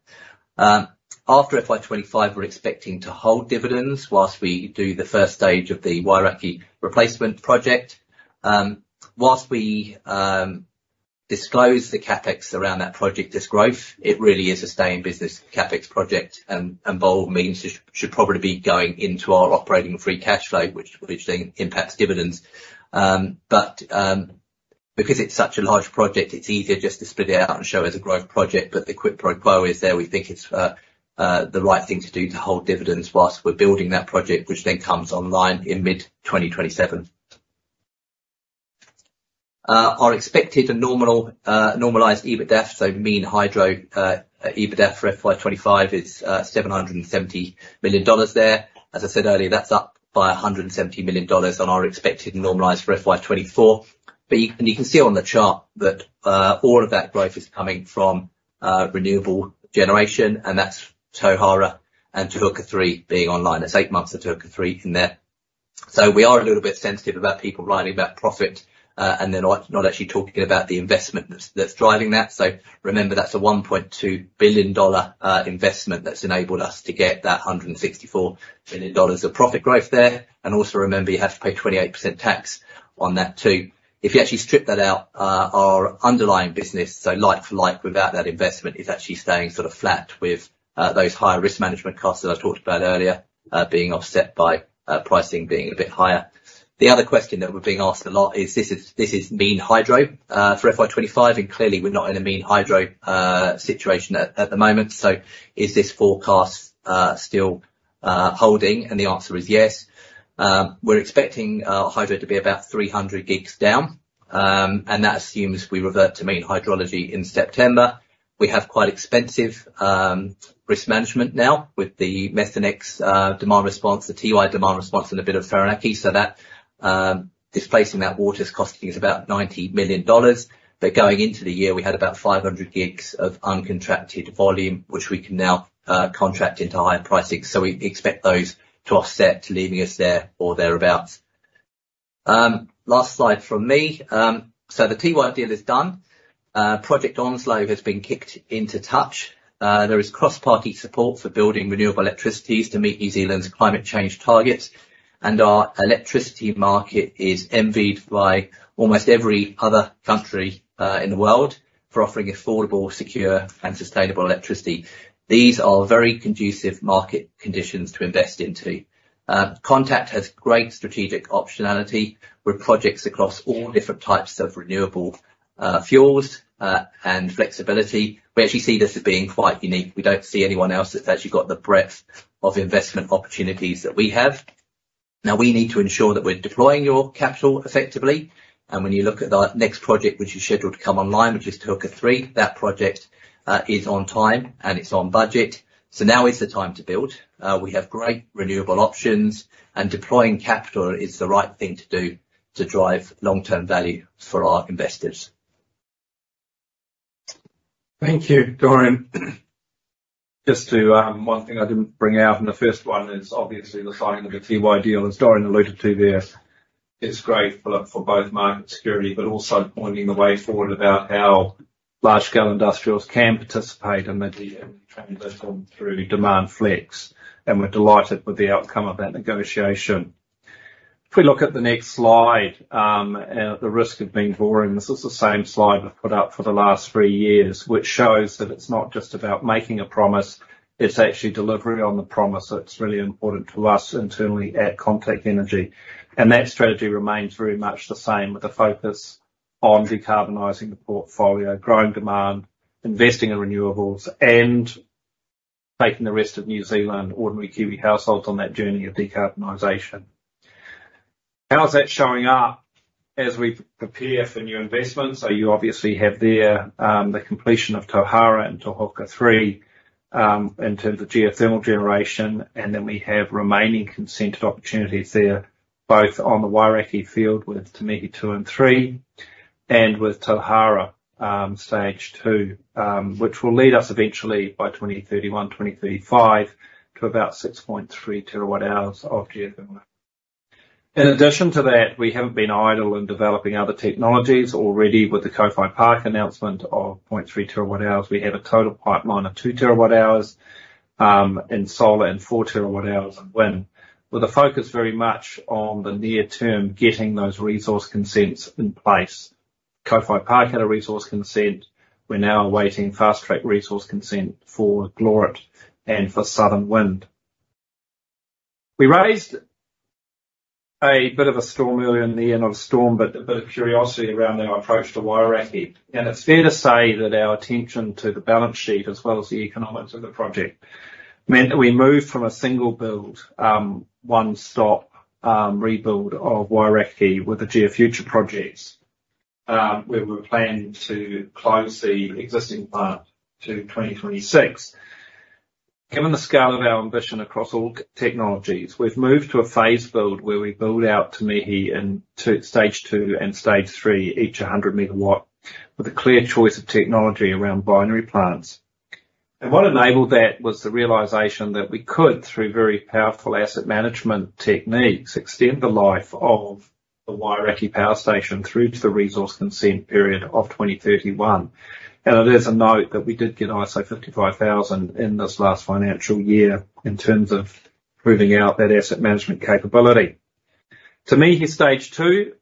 After FY 2025, we're expecting to hold dividends whilst we do the first stage of the Wairakei replacement project. Whilst we disclose the CapEx around that project, this growth, it really is a sustaining business CapEx project and but it means it should probably be going into our operating free cash flow, which then impacts dividends. But because it's such a large project, it's easier just to split it out and show as a growth project, but the quid pro quo is there. We think it's the right thing to do to hold dividends while we're building that project, which then comes online in mid-2027. Our expected and normalized EBITDA, so mean hydro, EBITDA for FY 2025 is 770 million dollars there. As I said earlier, that's up by 170 million dollars on our expected normalized for FY 2024. But you can see on the chart that all of that growth is coming from renewable generation, and that's Tauhara and Te Huka 3 being online. That's eight months of Te Huka 3 in there. So we are a little bit sensitive about people writing about profit, and they're not actually talking about the investment that's driving that. So remember, that's a 1.2 billion dollar investment that's enabled us to get that 164 million dollars of profit growth there. And also remember, you have to pay 28% tax on that, too. If you actually strip that out, our underlying business, so like for like, without that investment, is actually staying sort of flat with those higher risk management costs that I talked about earlier being offset by pricing being a bit higher. The other question that we're being asked a lot is this is, this is mean hydro for FY 2025, and clearly, we're not in a mean hydro situation at the moment, so is this forecast still holding? And the answer is yes. We're expecting hydro to be about 300 GW down, and that assumes we revert to mean hydrology in September. We have quite expensive risk management now with the Methanex demand response, the Tiwai demand response and a bit of Whirinaki. So that displacing that water is costing us about 90 million dollars. But going into the year, we had about 500 GW of uncontracted volume, which we can now contract into higher pricing. So we expect those to offset, leaving us there or thereabouts. Last slide from me. So the Tiwai deal is done. Project Onslow has been kicked into touch. There is cross-party support for building renewable electricity to meet New Zealand's climate change targets, and our electricity market is envied by almost every other country, in the world, for offering affordable, secure and sustainable electricity. These are very conducive market conditions to invest into. Contact has great strategic optionality with projects across all different types of renewable, fuels, and flexibility. We actually see this as being quite unique. We don't see anyone else that's actually got the breadth of investment opportunities that we have. Now, we need to ensure that we're deploying your capital effectively, and when you look at our next project, which is scheduled to come online, which is Te Huka 3, that project, is on time, and it's on budget. So now is the time to build. We have great renewable options, and deploying capital is the right thing to do to drive long-term value for our investors. Thank you, Dorian. Just to one thing I didn't bring out in the first one is obviously the signing of the Tiwai deal, as Dorian alluded to there. It's great for both market security, but also pointing the way forward about how large-scale industrials can participate in the transition through demand flex, and we're delighted with the outcome of that negotiation. If we look at the next slide, the risk of being boring, this is the same slide we've put up for the last three years, which shows that it's not just about making a promise, it's actually delivering on the promise that's really important to us internally at Contact Energy. And that strategy remains very much the same, with a focus on decarbonizing the portfolio, growing demand, investing in renewables, and taking the rest of New Zealand, ordinary Kiwi households, on that journey of decarbonization. How is that showing up as we prepare for new investments? You obviously have there the completion of Tauhara and Te Huka 3 in terms of geothermal generation, and then we have remaining consented opportunities there, both on the Wairakei field with Te Mihi 2 and 3, and with Tauhara Stage 2, which will lead us eventually, by 2031, 2035, to about 6.3 TWh of geothermal. In addition to that, we haven't been idle in developing other technologies. Already with the Kowhai Park announcement of 0.3 TWh, we have a total pipeline of 2 TWh in solar and 4 TWh in wind, with a focus very much on the near term, getting those resource consents in place. Kowhai Park had a resource consent. We're now awaiting fast-track resource consent for Glorit and for Southland Wind. We raised a bit of a storm earlier in the year, not a storm, but a bit of curiosity around our approach to Wairakei. It's fair to say that our attention to the balance sheet, as well as the economics of the project, meant that we moved from a single build, one-stop, rebuild of Wairakei with the GeoFuture projects, where we planned to close the existing plant to 2026. Given the scale of our ambition across all technologies, we've moved to a phased build, where we build out Te Mihi 2 in Stage 2 and Stage 3, each 100 MW, with a clear choice of technology around binary plants. What enabled that was the realization that we could, through very powerful asset management techniques, extend the life of the Wairakei Power Station through to the resource consent period of 2031. And it is a note that we did get ISO 55000 in this last financial year in terms of proving out that asset management capability. Te Mihi Stage 2,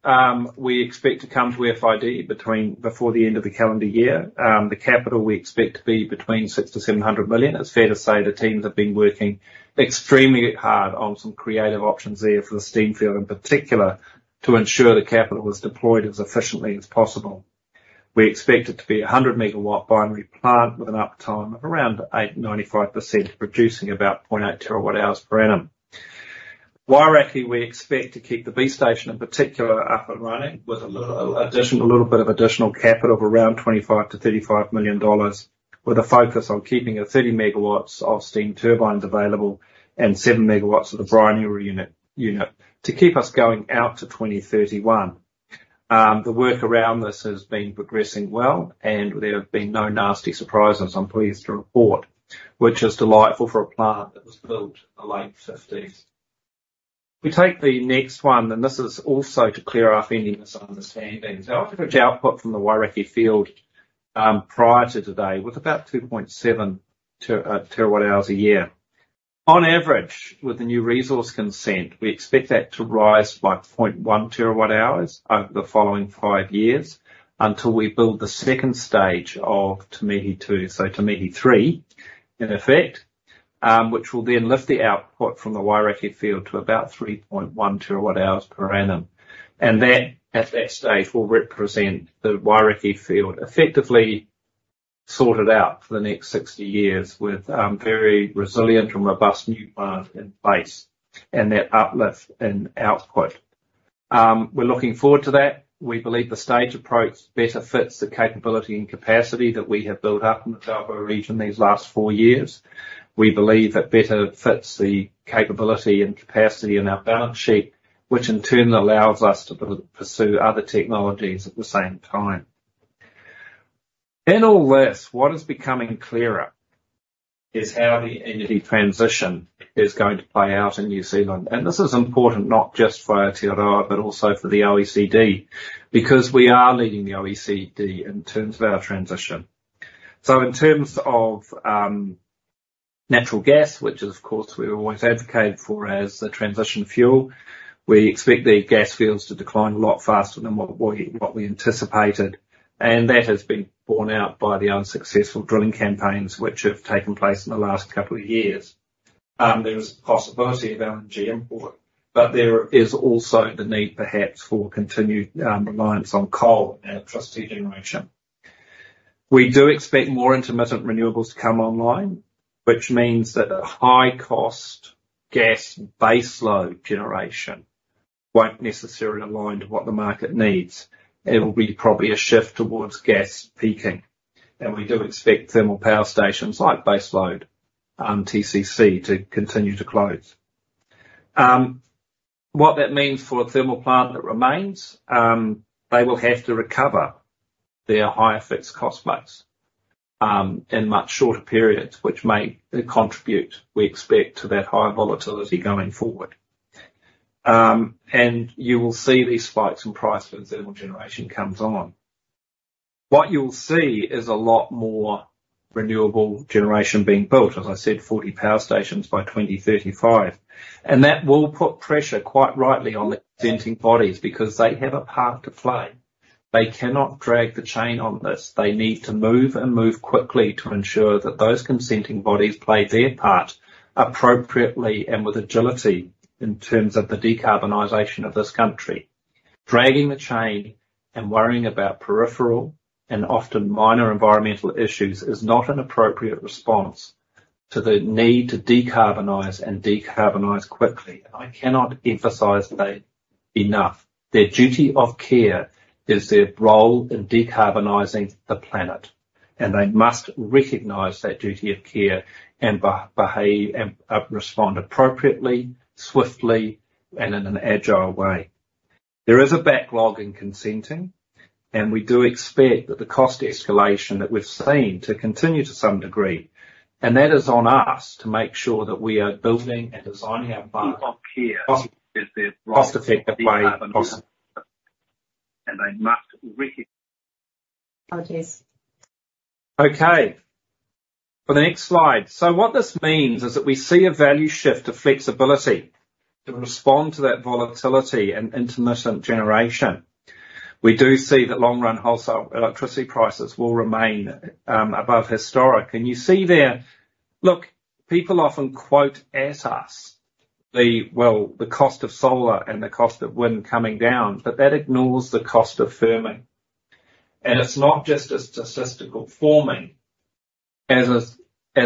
we expect to come to FID before the end of the calendar year. The capital we expect to be between 600 million and 700 million. It's fair to say, the teams have been working extremely hard on some creative options there for the steam field, in particular, to ensure the capital is deployed as efficiently as possible. We expect it to be a 100 MW binary plant with an uptime of around 80%-95%, producing about 0.8 TWh per annum. Wairakei, we expect to keep the B station in particular, up and running, with a little addition, a little bit of additional capital of around 25 million-35 million dollars, with a focus on keeping the 30 MW of steam turbines available and 7 MW of the binary unit to keep us going out to 2031. The work around this has been progressing well, and there have been no nasty surprises, I'm pleased to report, which is delightful for a plant that was built in the late 50s. We take the next one, and this is also to clear up any misunderstandings. Our average output from the Wairakei field, prior to today, was about 2.7 TWh a year. On average, with the new resource consent, we expect that to rise by 0.1 TWh over the following five years, until we build the second stage of Te Mihi 2. So Te Mihi 3, in effect, which will then lift the output from the Wairakei field to about 3.1 TWh per annum, and that, at that stage, will represent the Wairakei field effectively sorted out for the next 60 years, with very resilient and robust new plant in place and that uplift in output. We're looking forward to that. We believe the staged approach better fits the capability and capacity that we have built up in the Taupō region these last four years. We believe it better fits the capability and capacity in our balance sheet, which in turn allows us to pursue other technologies at the same time. In all this, what is becoming clearer is how the energy transition is going to play out in New Zealand, and this is important not just for Aotearoa, but also for the OECD, because we are leading the OECD in terms of our transition. So in terms of natural gas, which of course, we always advocate for as the transition fuel, we expect the gas fields to decline a lot faster than what we anticipated, and that has been borne out by the unsuccessful drilling campaigns which have taken place in the last couple of years. There is a possibility of LNG import, but there is also the need, perhaps, for continued reliance on coal in our thermal generation. We do expect more intermittent renewables to come online, which means that the high-cost gas baseload generation won't necessarily align to what the market needs. It'll be probably a shift towards gas peaking, and we do expect thermal power stations like base load, TCC, to continue to close. What that means for a thermal plant that remains, they will have to recover their higher fixed costs back in much shorter periods, which may contribute, we expect, to that higher volatility going forward, and you will see these spikes in prices as thermal generation comes on. What you'll see is a lot more renewable generation being built, as I said, 40 power stations by 2035, and that will put pressure, quite rightly, on the consenting bodies, because they have a part to play. They cannot drag the chain on this. They need to move and move quickly to ensure that those consenting bodies play their part appropriately and with agility in terms of the decarbonization of this country. Dragging the chain and worrying about peripheral and often minor environmental issues is not an appropriate response to the need to decarbonize and decarbonize quickly. I cannot emphasize that enough. Their duty of care is their role in decarbonizing the planet, and they must recognize that duty of care and behave and respond appropriately, swiftly, and in an agile way. There is a backlog in consenting, and we do expect that the cost escalation that we've seen to continue to some degree, and that is on us to make sure that we are building and designing our part cost, cost-effective way possible. Apologies. Okay, for the next slide, so what this means is that we see a value shift to flexibility to respond to that volatility and intermittent generation. We do see that long-run wholesale electricity prices will remain above historic. And you see there. Look, people often quote at us the, well, the cost of solar and the cost of wind coming down, but that ignores the cost of firming. And it's not just a statistical firming. As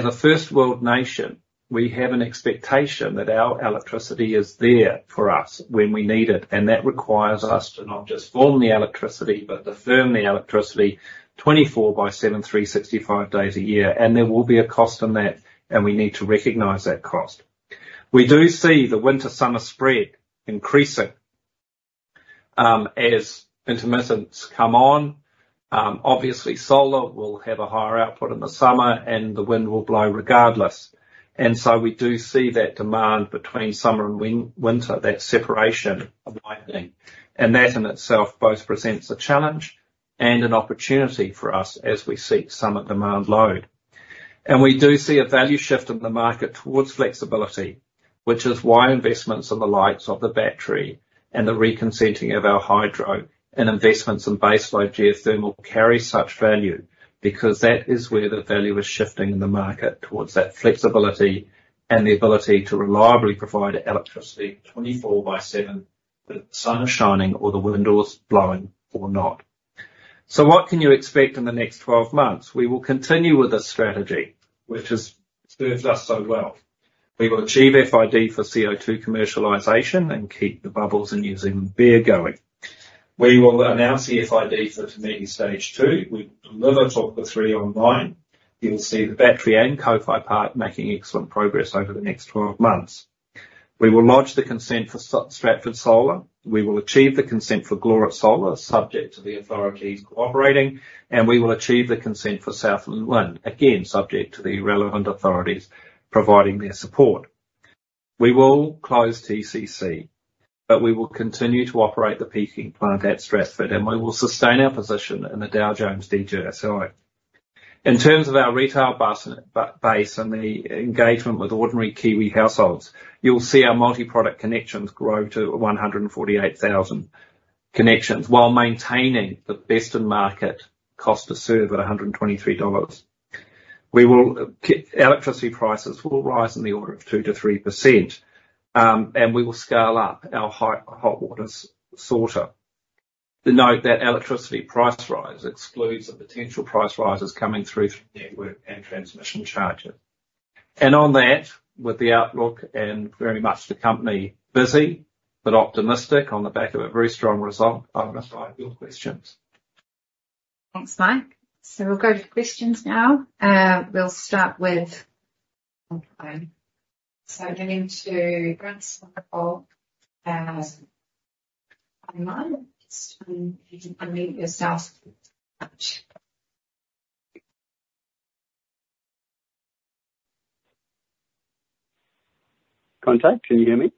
a first world nation, we have an expectation that our electricity is there for us when we need it, and that requires us to not just firm the electricity, but firm the electricity, 24 by 7, 365 days a year, and there will be a cost in that, and we need to recognize that cost. We do see the winter-summer spread increasing as intermittents come on. Obviously, solar will have a higher output in the summer, and the wind will blow regardless. And so we do see that demand between summer and winter, that separation of widening. And that in itself both presents a challenge and an opportunity for us as we seek summer demand load. And we do see a value shift in the market towards flexibility, which is why investments in the likes of the battery and the reconsenting of our hydro and investments in baseload geothermal carry such value, because that is where the value is shifting in the market, towards that flexibility and the ability to reliably provide electricity 24/7, when the sun is shining or the wind is blowing or not. So what can you expect in the next 12 months? We will continue with this strategy, which has served us so well. We will achieve FID for CO2 commercialization and keep the bubbles in New Zealand beer going. We will announce the FID for Te Mihi Stage Two. We will deliver Te Huka 3 online. You will see the battery and Kowhai Park making excellent progress over the next 12 months. We will lodge the consent for Stratford Solar. We will achieve the consent for Glorit Solar, subject to the authorities cooperating, and we will achieve the consent for Southland Wind, again, subject to the relevant authorities providing their support. We will close TCC, but we will continue to operate the peaking plant at Stratford, and we will sustain our position in the Dow Jones DJSI. In terms of our retail base and the engagement with ordinary Kiwi households, you'll see our multi-product connections grow to 148,000 connections, while maintaining the best in market cost to serve at 123 dollars. Electricity prices will rise in the order of 2%-3%, and we will scale up our Hot Water Sorter. Note that electricity price rise excludes the potential price rises coming through from network and transmission charges. On that, with the outlook and very much the company busy, but optimistic on the back of a very strong result, I'm going to take your questions. Thanks, Mike. So we'll go to questions now. We'll start with. Okay, so going to Grant, unmute yourself. Contact, can you hear me?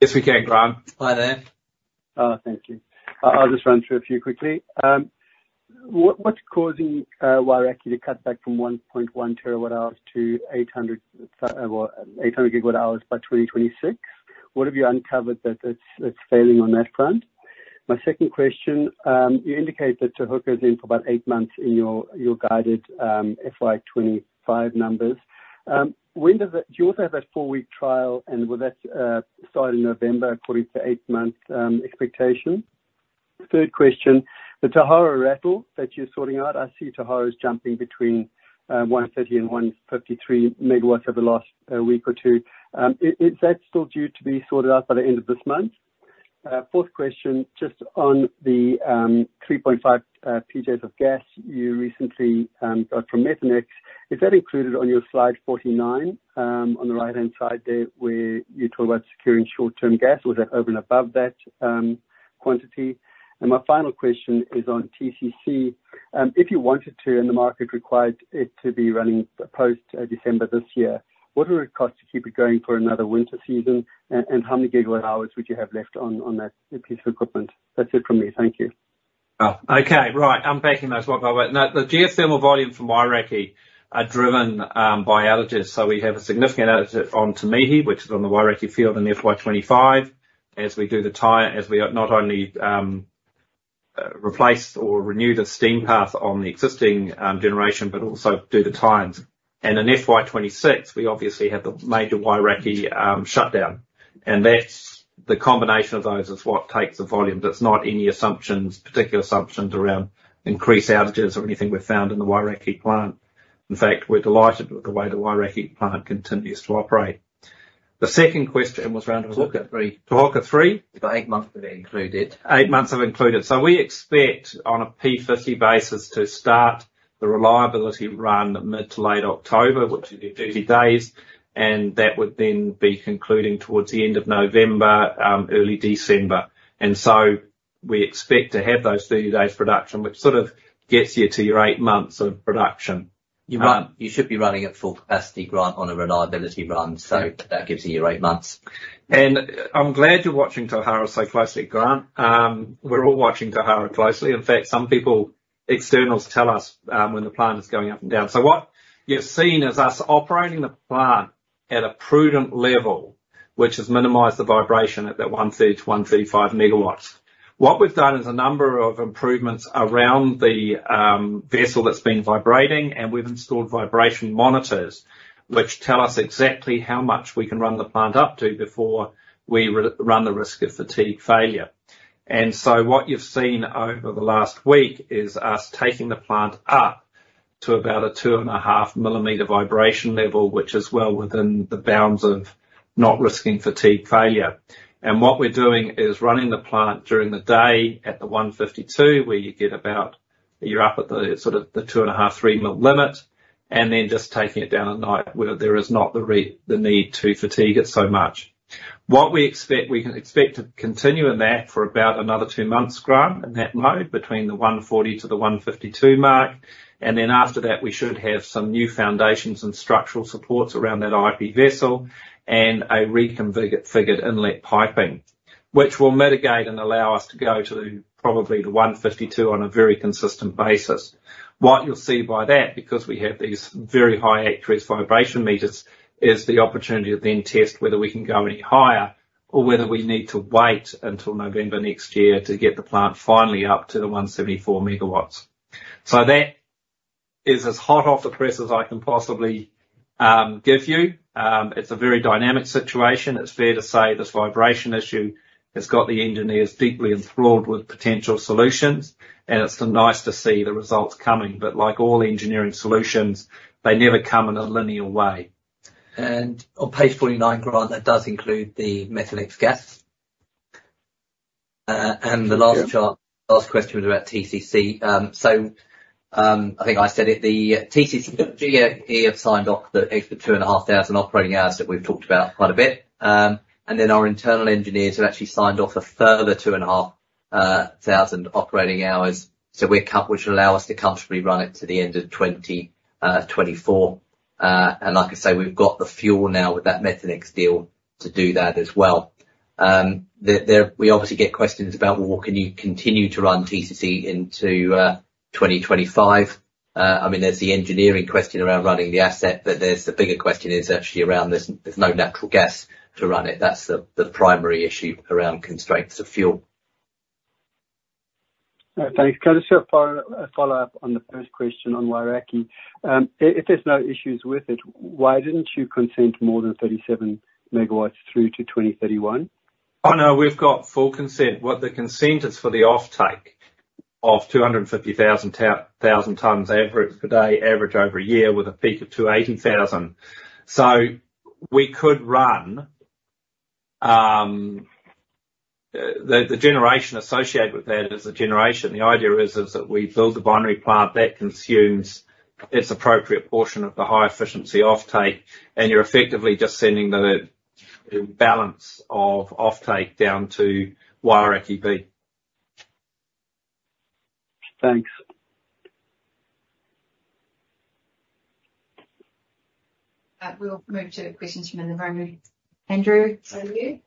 Yes, we can, Grant. Hi there. Thank you. I'll just run through a few quickly. What's causing Wairakei to cut back from 1.1 TWh to 800 GWh by 2026? What have you uncovered that's failing on that front? My second question, you indicated Te Huka in for about eight months in your guided FY 2025 numbers. When does that? Do you also have that four-week trial, and will that start in November, according to eight months expectation? Third question, the Tauhara rattle that you're sorting out, I see Tauhara is jumping between 130 MW and 153 MW over the last week or two. Is that still due to be sorted out by the end of this month? Fourth question, just on the 3.5 PJs of gas you recently got from Methanex. Is that included on your Slide 49 on the right-hand side there, where you talk about securing short-term gas, or is that over and above that quantity? And my final question is on TCC. If you wanted to, and the market required it to be running post December this year, what would it cost to keep it going for another winter season, and how many gigawatt hours would you have left on that piece of equipment? That's it for me. Thank you. Oh, okay. Right. Unpacking those one by one. Now, the geothermal volume from Wairakei are driven by outages, so we have a significant outage on Te Mihi, which is on the Wairakei field in the FY 2025, as we do the tie-in, as we are not only replace or renew the steam path on the existing generation, but also due to tie-ins. And in FY 2026, we obviously had the major Wairakei shutdown, and that's the combination of those is what takes the volume. That's not any particular assumptions around increased outages or anything we've found in the Wairakei plant. In fact, we're delighted with the way the Wairakei plant continues to operate. The second question was around Te Huka 3. Te Huka 3? Te Huka 3. You've got eight months that are included. Eight months I've included. So we expect, on a P50 basis, to start the reliability run mid to late October, which will be 30 days, and that would then be concluding towards the end of November, early December. And so we expect to have those 30 days production, which sort of gets you to your eight months of production. You should be running at full capacity, Grant, on a reliability run, so that gives you your eight months. I'm glad you're watching Tauhara so closely, Grant. We're all watching Tauhara closely. In fact, some people, externals, tell us when the plant is going up and down. So what you've seen is us operating the plant at a prudent level, which has minimized the vibration at that 113 MW-115 MW. What we've done is a number of improvements around the vessel that's been vibrating, and we've installed vibration monitors, which tell us exactly how much we can run the plant up to before we run the risk of fatigue failure. What you've seen over the last week is us taking the plant up to about a 2.5 mm vibration level, which is well within the bounds of not risking fatigue failure. What we're doing is running the plant during the day at the 152, where you get about. You're up at the, sort of, the 2.5 mil-3 mil limit, and then just taking it down at night, where there is not the real need to fatigue it so much. What we expect, we can expect to continue in that for about another two months, Grant, in that mode, between the 140 to the 152 mark, and then after that, we should have some new foundations and structural supports around that IP vessel and a reconfigured inlet piping, which will mitigate and allow us to go to probably the 152 on a very consistent basis. What you'll see by that, because we have these very high accuracy vibration meters, is the opportunity to then test whether we can go any higher or whether we need to wait until November next year to get the plant finally up to the 174 MW. So that is as hot off the press as I can possibly give you. It's a very dynamic situation. It's fair to say, this vibration issue has got the engineers deeply enthralled with potential solutions, and it's nice to see the results coming, but like all engineering solutions, they never come in a linear way. And on Page 49, Grant, that does include the Methanex gas. And the last question was about TCC. So, I think I said it, the TCC, GE have signed off the extra 2,500 operating hours that we've talked about quite a bit. And then our internal engineers have actually signed off a further 2,000 operating hours, so we're which will allow us to comfortably run it to the end of 2024. And like I say, we've got the fuel now with that Methanex deal to do that as well. We obviously get questions about, well, can you continue to run TCC into 2025? I mean, there's the engineering question around running the asset, but the bigger question is actually around there's no natural gas to run it. That's the primary issue around constraints of fuel. Thanks. Can I just follow up on the first question on Wairakei? If there's no issues with it, why didn't you consent to more than 37 MW through to 2031? Oh, no, we've got full consent. What the consent is for the offtake of 250,000 tons average per day, average over a year, with a peak of 280,000. So we could run the generation associated with that is the generation. The idea is that we build a binary plant that consumes its appropriate portion of the high efficiency offtake, and you're effectively just sending the balance of offtake down to Wairakei B. Thanks. We'll move to questions from in the room. Andrew, over to you.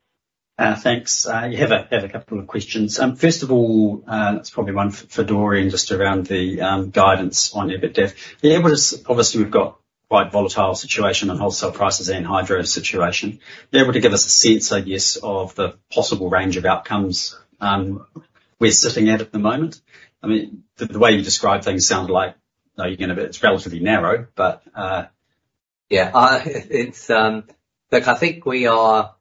Thanks. I have a couple of questions. First of all, it's probably one for Dorian, just around the guidance on EBITDAF. Obviously, we've got quite a volatile situation on wholesale prices and hydro situation. You're able to give us a sense, I guess, of the possible range of outcomes we're sitting at at the moment? I mean, the way you describe things sound like you're gonna be... It's relatively narrow, but... Look, I think we are,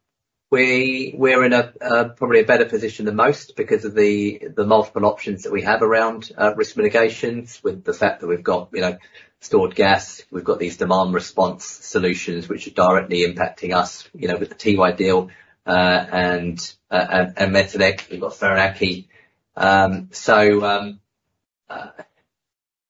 we're in a probably a better position than most because of the multiple options that we have around risk mitigations, with the fact that we've got, you know, stored gas. We've got these demand response solutions, which are directly impacting us, you know, with the Tiwai deal, and Methanex, we've got Whirinaki. So,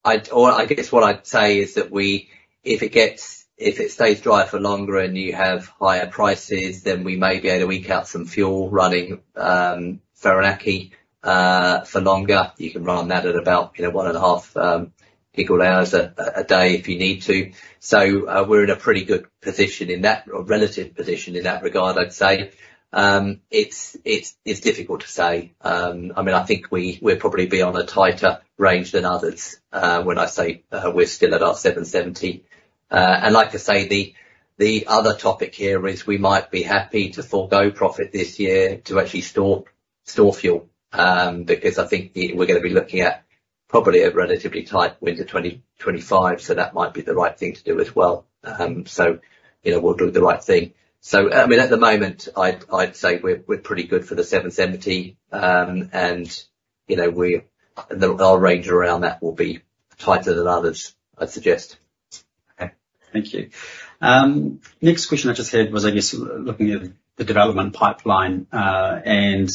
I guess what I'd say is that we, if it gets, if it stays dry for longer and you have higher prices, then we may be able to eke out some fuel running Whirinaki for longer. You can run on that at about, you know, 1.5 GWh a day if you need to. So, we're in a pretty good position in that, or relative position in that regard, I'd say. It's difficult to say. I mean, I think we'll probably be on a tighter range than others when I say we're still at our 7.70. And like I say, the other topic here is we might be happy to forgo profit this year to actually store fuel because I think we're gonna be looking at probably a relatively tight winter 2025, so that might be the right thing to do as well. So, you know, we'll do the right thing. So, I mean, at the moment, I'd say we're pretty good for the 7.70, and, you know, our range around that will be tighter than others, I'd suggest. Okay. Thank you. Next question I just had was, I guess, looking at the development pipeline, and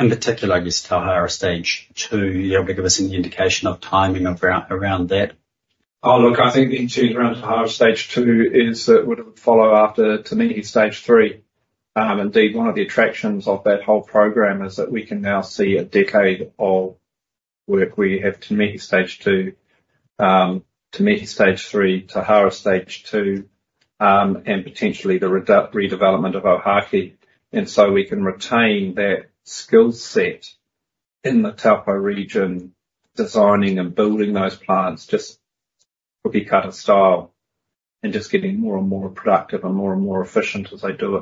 in particular, I guess, Tauhara Stage 2. Are you able to give us any indication of timing around that? Oh, look, I think the issue around Tauhara Stage 2 is that it would follow after Te Mihi Stage 3. Indeed, one of the attractions of that whole program is that we can now see a decade of work. We have Te Mihi Stage 2, Te Mihi Stage 3, Tauhara Stage 2, and potentially the redevelopment of Ohaaki. And so we can retain that skill set in the Taupō region, designing and building those plants, just cookie cutter style, and just getting more and more productive and more and more efficient as they do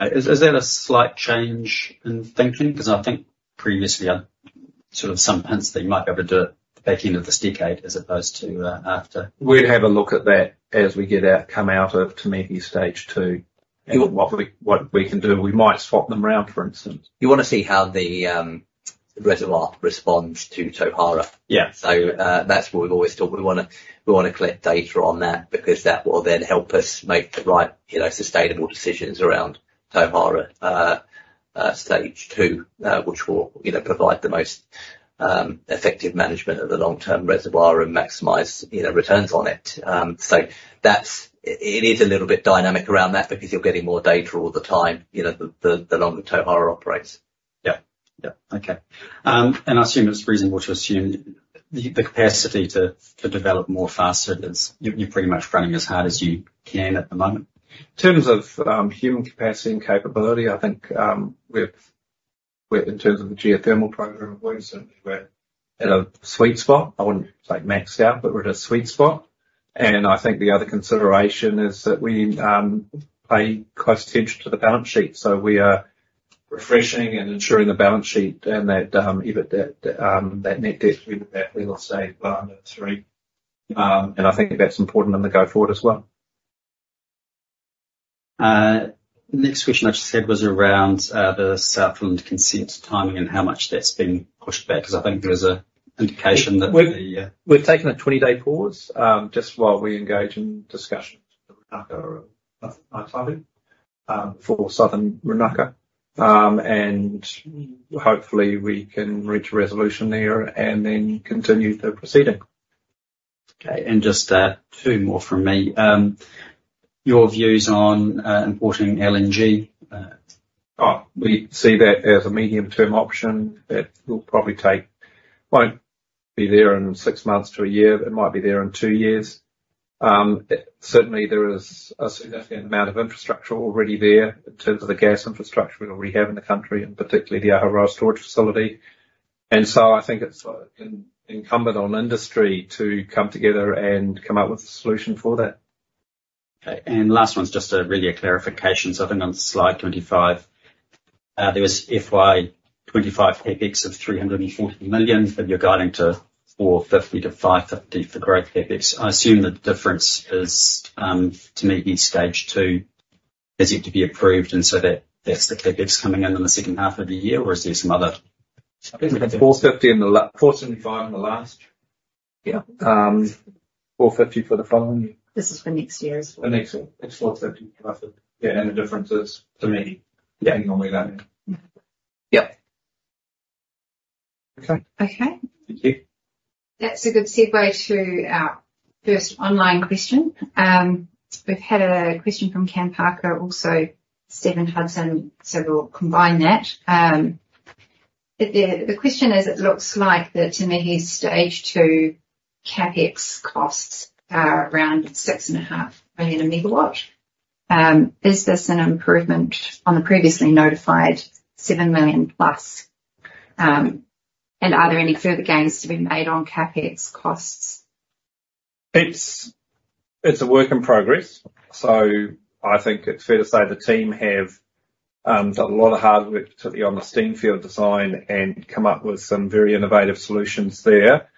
it. Is that a slight change in thinking? Because I think previously, sort of some hints that you might be able to do it back end of this decade as opposed to after. We'd have a look at that as we come out of Te Mihi Stage 2. What we can do, we might swap them around, for instance. You wanna see how the reservoir responds to Tauhara. Yeah. That's what we've always thought. We wanna collect data on that because that will then help us make the right, you know, sustainable decisions around Tauhara Stage 2, which will, you know, provide the most effective management of the long-term reservoir and maximize, you know, returns on it. So that's it is a little bit dynamic around that because you're getting more data all the time, you know, the longer Tauhara operates. Yeah. Yeah. Okay, and I assume it's reasonable to assume the capacity to develop more faster is you, you're pretty much running as hard as you can at the moment. In terms of human capacity and capability, I think, in terms of the geothermal program, we certainly are at a sweet spot. I wouldn't say maxed out, but we're at a sweet spot. And I think the other consideration is that we pay close attention to the balance sheet, so we are refreshing and ensuring the balance sheet and that EBITDAF, that net debt to EBITDAF, we will say well under three. And I think that's important in the go forward as well. The next question I just had was around the Southland consent timing and how much that's been pushed back, because I think there was an indication that the We've taken 20-day pause just while we engage in discussions with the Southern Rūnaka and hopefully we can reach a resolution there and then continue the proceeding. Okay, and just two more from me. Your views on importing LNG? Oh, we see that as a medium-term option that will probably take. Won't be there in six months to a year. It might be there in two years. Certainly, there is a significant amount of infrastructure already there in terms of the gas infrastructure we already have in the country, and particularly the Ahuroa storage facility. And so I think it's incumbent on industry to come together and come up with a solution for that. Okay, and last one is just, really a clarification. So I think on Slide 25, there was FY 2025 CapEx of 340 million, but you're guiding to 450 million-550 million for growth CapEx. I assume the difference is to meet each Stage 2, is yet to be approved, and so that, that's the CapEx coming in in the second half of the year, or is there some other? 475 million in the last. Yeah. 450 million for the following year. This is for next year as well. The next one. It's 4:50. Yeah, and the difference is to me- Yeah. Normally that. Yep. Okay. Okay. Thank you. That's a good segue to our first online question. We've had a question from Cam Parker, also Stephen Hudson, so we'll combine that. The question is: It looks like the Te Mihi Stage 2 CapEx costs are around 6.5 million a megawatt. Is this an improvement on the previously notified 7+ million? And are there any further gains to be made on CapEx costs? It's a work in progress, so I think it's fair to say the team have done a lot of hard work on the steam field design and come up with some very innovative solutions there.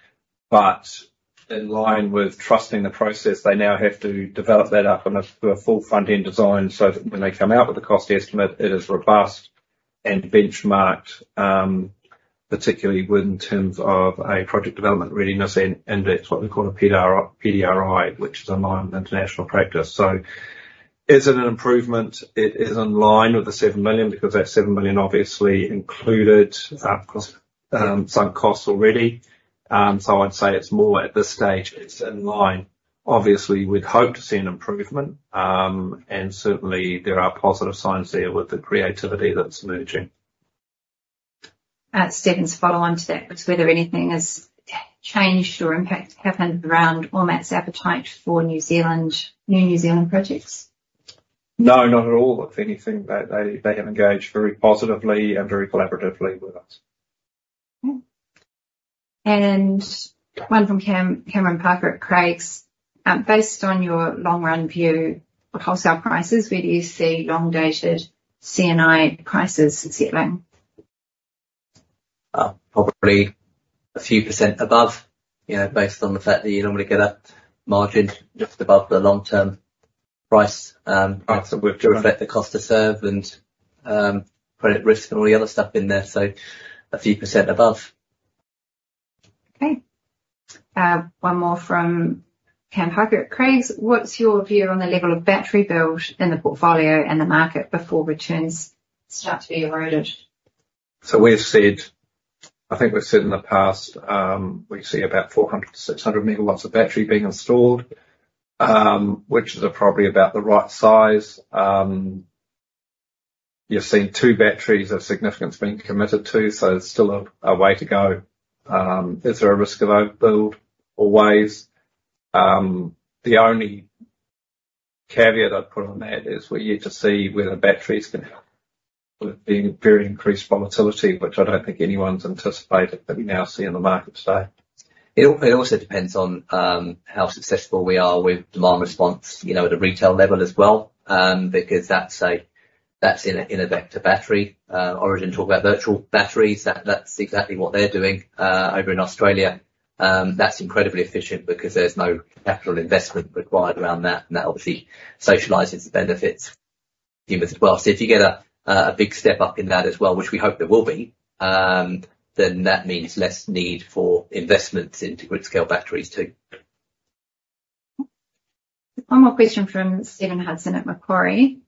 But in line with trusting the process, they now have to develop that up to a full front-end design so that when they come out with a cost estimate, it is robust and benchmarked, particularly in terms of a project development readiness, and that's what we call a PDRI, which is in line with international practice. So is it an improvement? It is in line with the 7 million, because that 7 million obviously included some costs already. So I'd say it's more at this stage, it's in line. Obviously, we'd hope to see an improvement, and certainly, there are positive signs there with the creativity that's emerging. Stephen's follow on to that was whether anything has changed or impact happened around Ormat's appetite for New Zealand, new New Zealand projects? No, not at all. If anything, they have engaged very positively and very collaboratively with us. One from Cameron Parker at Craigs. Based on your long-run view of wholesale prices, where do you see long-dated CNI prices settling? Probably a few percent above, you know, based on the fact that you normally get a margin just above the long-term price to reflect the cost to serve and credit risk and all the other stuff in there, so a few percent above. Okay. One more from Cam Parker at Craigs: What's your view on the level of battery build in the portfolio and the market before returns start to be eroded? So we've said. I think we've said in the past, we see about 400 MW-600 MW of battery being installed, which is probably about the right size. You've seen two batteries of significance being committed to, so there's still a way to go. Is there a risk of overbuild? Always. The only caveat I'd put on that is we're yet to see whether batteries can, with being very increased volatility, which I don't think anyone's anticipated, but we now see in the market today. It also depends on how successful we are with demand response, you know, at a retail level as well, because that's a virtual battery. Origin talk about virtual batteries, that's exactly what they're doing over in Australia. That's incredibly efficient because there's no capital investment required around that, and that obviously socializes the benefits for consumers as well. So if you get a big step up in that as well, which we hope there will be, then that means less need for investments into grid-scale batteries, too. One more question from Stephen Hudson at Macquarie.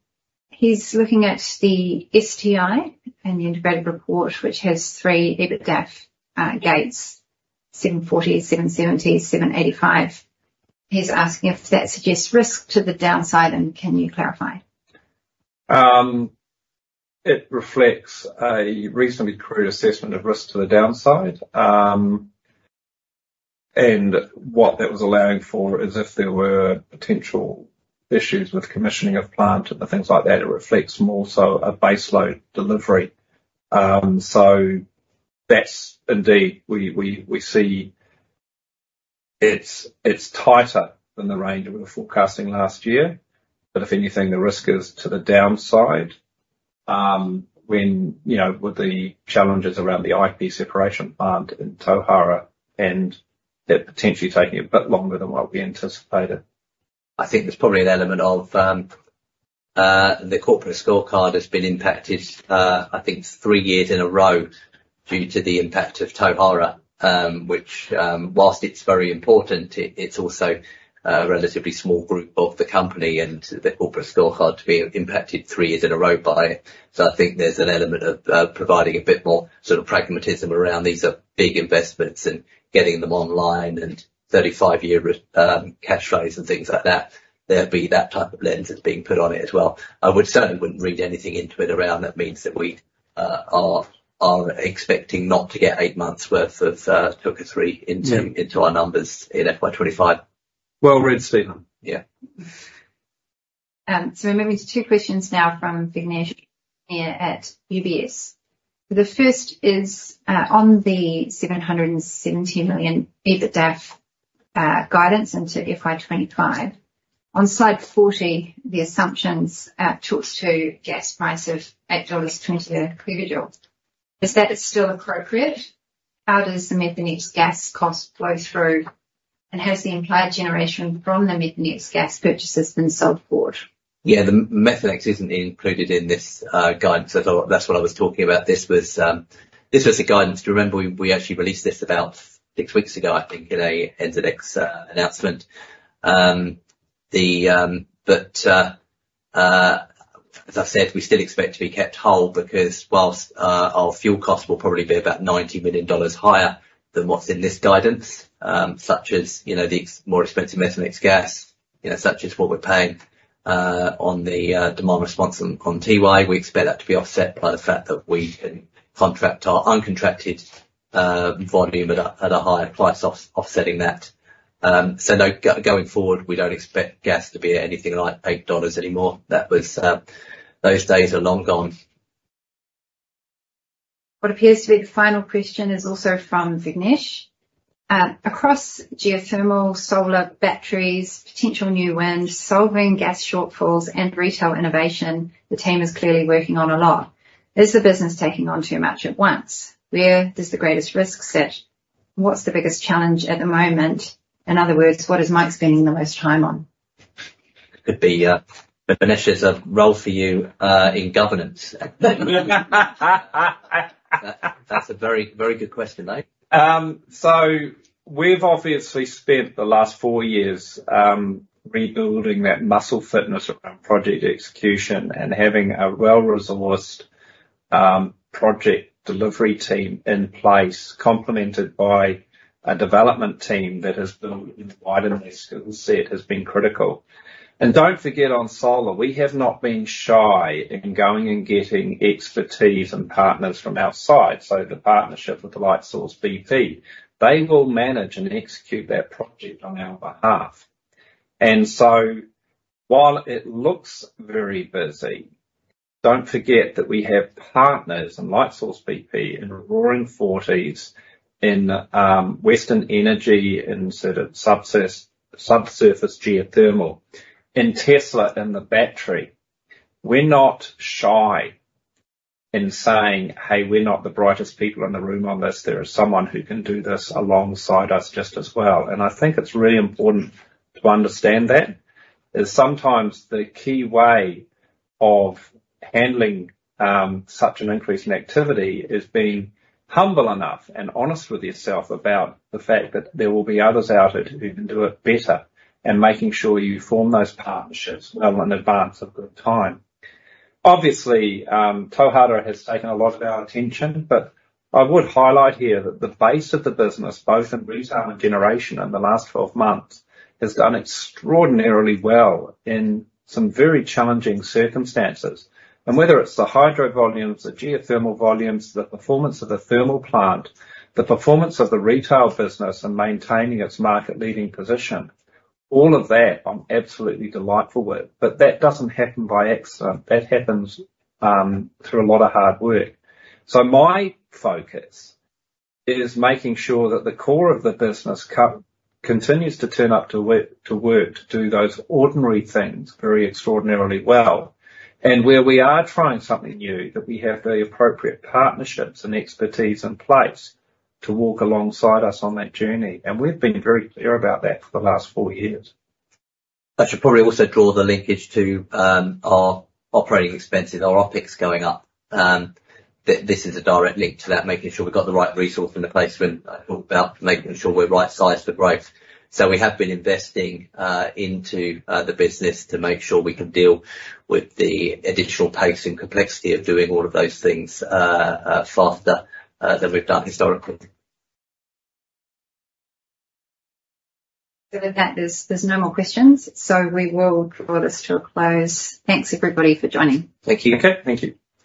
He's looking at the STI and the integrated report, which has three EBITDA gates, 740, 770, 785. He's asking if that suggests risk to the downside, and can you clarify? It reflects a reasonably crude assessment of risk to the downside, and what that was allowing for is if there were potential issues with commissioning of plant and things like that. It reflects more so a baseload delivery. So that's indeed; we see it's tighter than the range that we were forecasting last year, but if anything, the risk is to the downside. You know, with the challenges around the IP separation plant in Tauhara, and they're potentially taking a bit longer than what we anticipated. I think there's probably an element of, the corporate scorecard has been impacted, I think three years in a row due to the impact of Tauhara, which, while it's very important, it, it's also a relatively small group of the company and the corporate scorecard to be impacted three years in a row by it. So I think there's an element of, providing a bit more sort of pragmatism around these are big investments and getting them online and 35-year cash flows and things like that. There'd be that type of lens that's being put on it as well. I would certainly wouldn't read anything into it around that means that we, are expecting not to get eight months worth of, Tauhara into our numbers in FY 2025. Well read, Stephen. Yeah. So we're moving to two questions now from Vignesh at UBS. The first is on the 770 million EBITDAF guidance into FY 2025. On Slide 40, the assumptions talks to gas price of 8.20 dollars per gigajoule. Is that still appropriate? How does the Methanex gas cost flow through, and has the implied generation from the Methanex gas purchases been sold forward? Yeah, the Methanex isn't included in this guidance, so that's what I was talking about. This was the guidance. Remember, we actually released this about six weeks ago, I think, in a NZX announcement, but as I've said, we still expect to be kept whole, because while our fuel costs will probably be about 90 million dollars higher than what's in this guidance, such as, you know, the more expensive Methanex gas, you know, such as what we're paying on the demand response on TY, we expect that to be offset by the fact that we can contract our uncontracted volume at a higher price offsetting that, so no, going forward, we don't expect gas to be anything like 8 dollars anymore. That was, those days are long gone. What appears to be the final question is also from Vignesh: Across geothermal, solar, batteries, potential new wind, solving gas shortfalls, and retail innovation, the team is clearly working on a lot. Is the business taking on too much at once? Where is the greatest risk set? What's the biggest challenge at the moment? In other words, what is Mike spending the most time on? Could be, Vignesh, there's a role for you, in governance. That's a very, very good question, Mike. So we've obviously spent the last four years rebuilding that muscle fitness around project execution and having a well-resourced project delivery team in place, complemented by a development team that has been widened in their skill set, has been critical. And don't forget, on solar, we have not been shy in going and getting expertise and partners from outside. So the partnership with Lightsource BP, they will manage and execute that project on our behalf. And so, while it looks very busy. Don't forget that we have partners in Lightsource BP, in Roaring Forties, in Western Energy, in sort of subsurface geothermal, in Tesla in the battery. We're not shy in saying, "Hey, we're not the brightest people in the room on this. There is someone who can do this alongside us just as well." And I think it's really important to understand that is sometimes the key way of handling such an increase in activity: is being humble enough and honest with yourself about the fact that there will be others out there who can do it better, and making sure you form those partnerships well in advance of good time. Obviously, Tauhara has taken a lot of our attention, but I would highlight here that the base of the business, both in retail and generation in the last 12 months, has done extraordinarily well in some very challenging circumstances. And whether it's the hydro volumes, the geothermal volumes, the performance of the thermal plant, the performance of the retail business in maintaining its market-leading position, all of that, I'm absolutely delighted with. But that doesn't happen by accident. That happens through a lot of hard work. So my focus is making sure that the core of the business continues to turn up to work, to do those ordinary things very extraordinarily well, and where we are trying something new, that we have the appropriate partnerships and expertise in place to walk alongside us on that journey, and we've been very clear about that for the last four years. I should probably also draw the linkage to, our operating expenses, our OpEx, going up. This is a direct link to that, making sure we've got the right resource and the placement, about making sure we're right-sized but right. So we have been investing, into, the business to make sure we can deal with the additional pace and complexity of doing all of those things, faster, than we've done historically. With that, there's no more questions, so we will draw this to a close. Thanks, everybody, for joining. Thank you. Thank you.